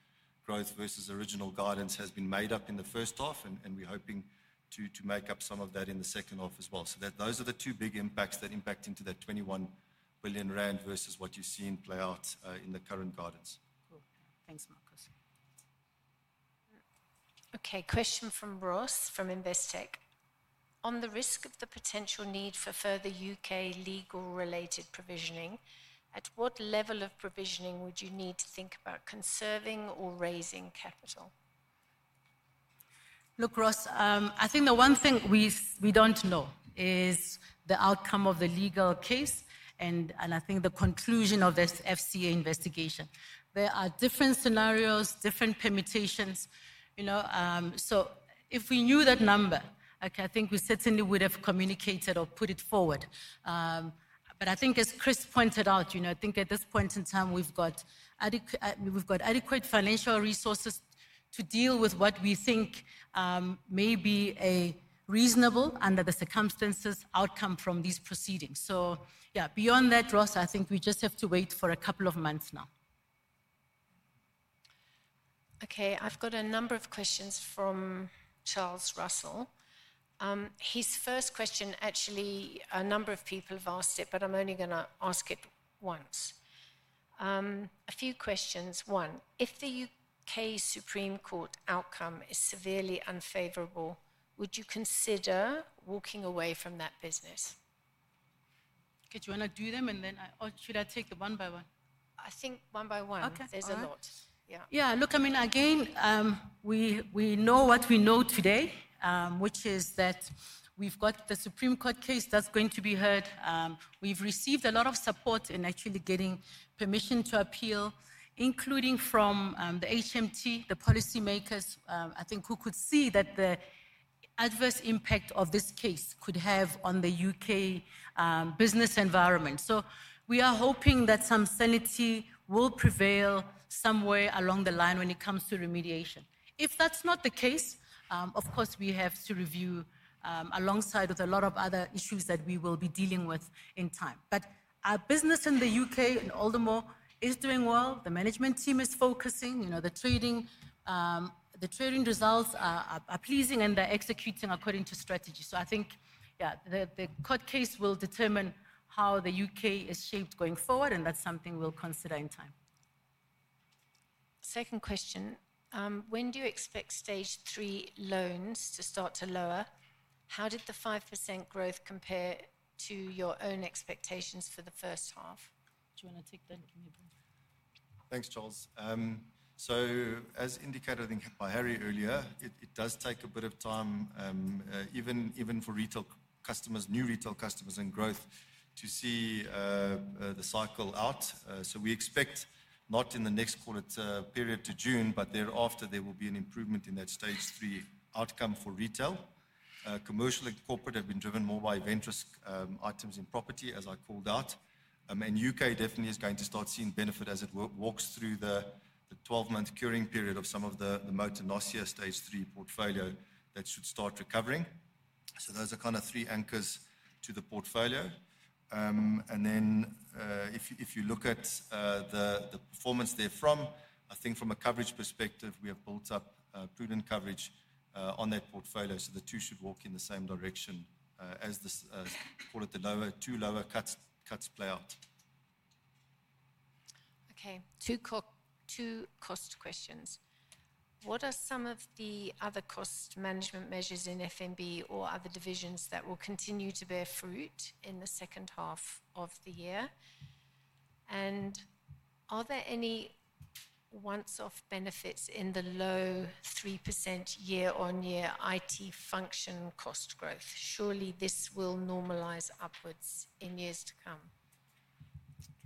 S2: growth versus original guidance, has been made up in the first half. And we're hoping to make up some of that in the second half as well. Those are the two big impacts that impact into that 21 billion rand versus what you've seen play out in the current guidance.
S1: Cool. Thanks, Markos.
S6: Okay, question from Ross from Investec. On the risk of the potential need for further U.K. legal-related provisioning, at what level of provisioning would you need to think about conserving or raising capital?
S1: Look, Ross, I think the one thing we don't know is the outcome of the legal case and I think the conclusion of this FCA investigation. There are different scenarios, different permutations. You know, so if we knew that number, okay, I think we certainly would have communicated or put it forward. But I think as Chris pointed out, you know, I think at this point in time, we've got adequate financial resources to deal with what we think may be a reasonable, under the circumstances, outcome from these proceedings. So yeah, beyond that, Ross, I think we just have to wait for a couple of months now.
S6: Okay, I've got a number of questions from Charles Russell. His first question, actually, a number of people have asked it, but I'm only going to ask it once. A few questions. One, if the U.K. Supreme Court outcome is severely unfavorable, would you consider walking away from that business?
S1: Okay, do you want to do them and then should I take them one by one?
S6: I think one by one.
S1: Okay, that's fine.
S6: There's a lot.
S1: Yeah. Yeah, look, I mean, again, we know what we know today, which is that we've got the Supreme Court case that's going to be heard. We've received a lot of support in actually getting permission to appeal, including from the HMT, the policymakers, I think, who could see that the adverse impact of this case could have on the U.K. business environment. So we are hoping that some sanity will prevail somewhere along the line when it comes to remediation. If that's not the case, of course, we have to review alongside with a lot of other issues that we will be dealing with in time, but our business in the U.K. and Aldermore is doing well. The management team is focusing. You know, the trading results are pleasing and they're executing according to strategy, so I think, yeah, the court case will determine how the U.K. is shaped going forward, and that's something we'll consider in time.
S6: Second question. When do you expect stage three loans to start to lower? How did the 5% growth compare to your own expectations for the first half?
S1: Do you want to take that? Give me a breath.
S2: Thanks, Charles, so as indicated, I think by Harry earlier, it does take a bit of time, even for retail customers, new retail customers and growth to see the cycle out. We expect not in the next quarter period to June, but thereafter there will be an improvement in that stage three outcome for retail. Commercial and corporate have been driven more by adverse items in property, as I called out. The U.K. definitely is going to start seeing benefit as it walks through the 12-month curing period of some of the motor NASIO stage three portfolio that should start recovering. Those are kind of three anchors to the portfolio. Then if you look at the performance therefrom, I think from a coverage perspective, we have built up prudent coverage on that portfolio. The two should walk in the same direction as the two lower cuts play out.
S6: Okay. Two cost questions. What are some of the other cost management measures in FNB or other divisions that will continue to bear fruit in the second half of the year? And are there any one-off benefits in the low 3% year-on-year IT function cost growth? Surely this will normalize upwards in years to come.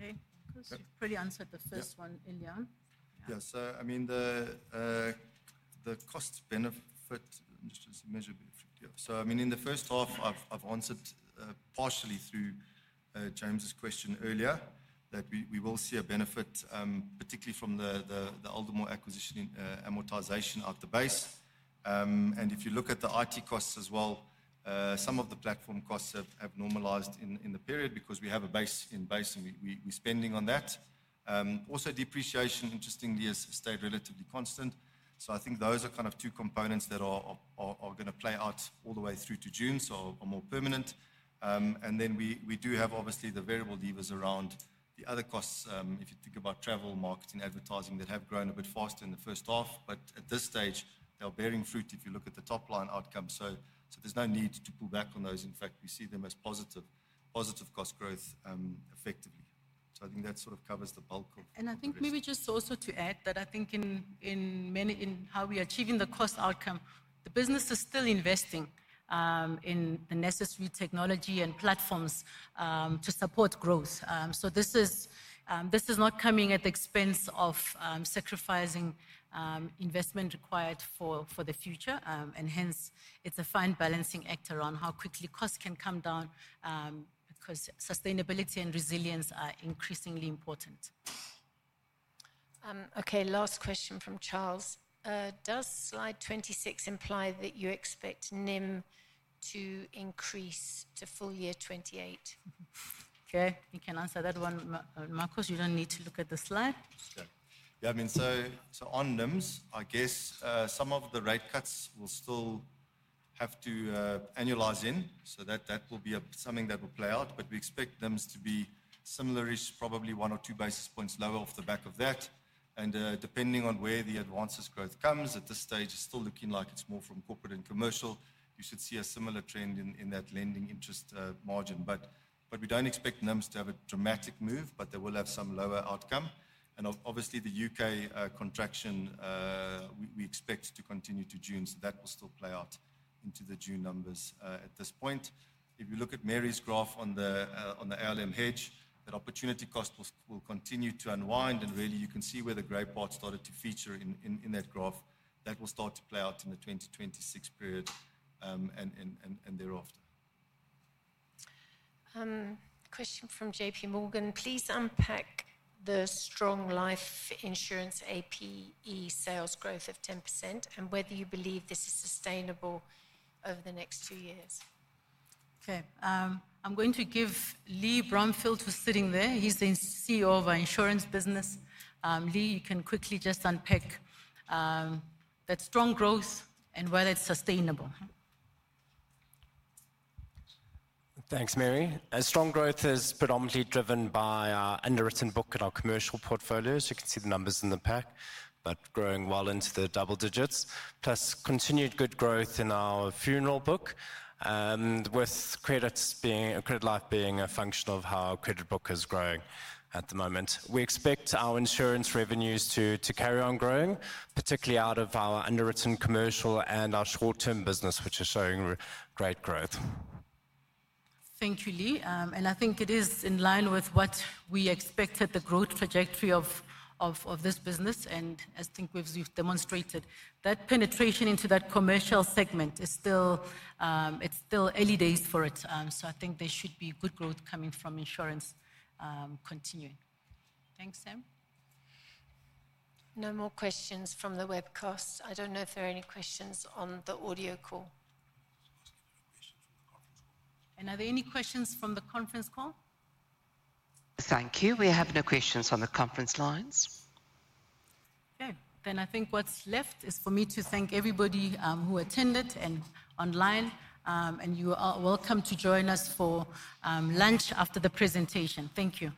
S1: Okay, Chris, you've pretty answered the first one, Ilya.
S7: Yeah, so I mean, the cost benefit measure, so I mean, in the first half, I've answered partially through James question earlier that we will see a benefit, particularly from the Aldermore acquisition amortization of the base. And if you look at the IT costs as well, some of the platform costs have normalized in the period because we have a base in base and we're spending on that. Also, depreciation, interestingly, has stayed relatively constant. So I think those are kind of two components that are going to play out all the way through to June, so are more permanent. And then we do have obviously the variable levers around the other costs. If you think about travel, marketing, advertising that have grown a bit faster in the first half, but at this stage, they're bearing fruit if you look at the top line outcome. So there's no need to pull back on those. In fact, we see them as positive cost growth effectively. So I think that sort of covers the bulk of the question.
S1: And I think maybe just also to add that I think in how we are achieving the cost outcome, the business is still investing in the necessary technology and platforms to support growth. So this is not coming at the expense of sacrificing investment required for the future. And hence, it's a fine balancing act around how quickly costs can come down because sustainability and resilience are increasingly important.
S6: Okay, last question from Charles. Does slide 26 imply that you expect NIM to increase to full year 28?
S1: Okay, you can answer that one, Markos. You don't need to look at the slide.
S2: Yeah, I mean, so on NIMs, I guess some of the rate cuts will still have to annualize in. So that will be something that will play out. But we expect NIMs to be similarish, probably one or two basis points lower off the back of that. And depending on where the advances growth comes at this stage, it's still looking like it's more from corporate and commercial. You should see a similar trend in that lending interest margin. But we don't expect NIMs to have a dramatic move, but there will have some lower outcome. And obviously, the U.K. contraction, we expect to continue to June. So that will still play out into the June numbers at this point. If you look at Mary's graph on the LMH, that opportunity cost will continue to unwind. And really, you can see where the gray part started to feature in that graph. That will start to play out in the 2026 period and thereafter.
S6: Question from J.P. Morgan. Please unpack the strong life insurance APE sales growth of 10% and whether you believe this is sustainable over the next few years.
S1: Okay, I'm going to give Lee Bromfield, who's sitting there. He's the CEO of our insurance business. Lee, you can quickly just unpack that strong growth and whether it's sustainable.
S8: Thanks, Mary. Strong growth is predominantly driven by our underwritten book and our commercial portfolios. You can see the numbers in the pack, but growing well into the double digits, plus continued good growth in our funeral book, with credit life being a function of how our credit book is growing at the moment. We expect our insurance revenues to carry on growing, particularly out of our underwritten commercial and our short-term business, which are showing great growth.
S1: Thank you, Lee. And I think it is in line with what we expected the growth trajectory of this business. And I think we've demonstrated that penetration into that commercial segment is still, it's still early days for it. So I think there should be good growth coming from insurance continuing. Thanks, Sam.
S6: No more questions from the webcast. I don't know if there are any questions on the audio call.
S1: Are there any questions from the conference call?
S9: Thank you. We have no questions on the conference lines.
S1: Okay, then I think what's left is for me to thank everybody who attended and online. You are welcome to join us for lunch after the presentation. Thank you.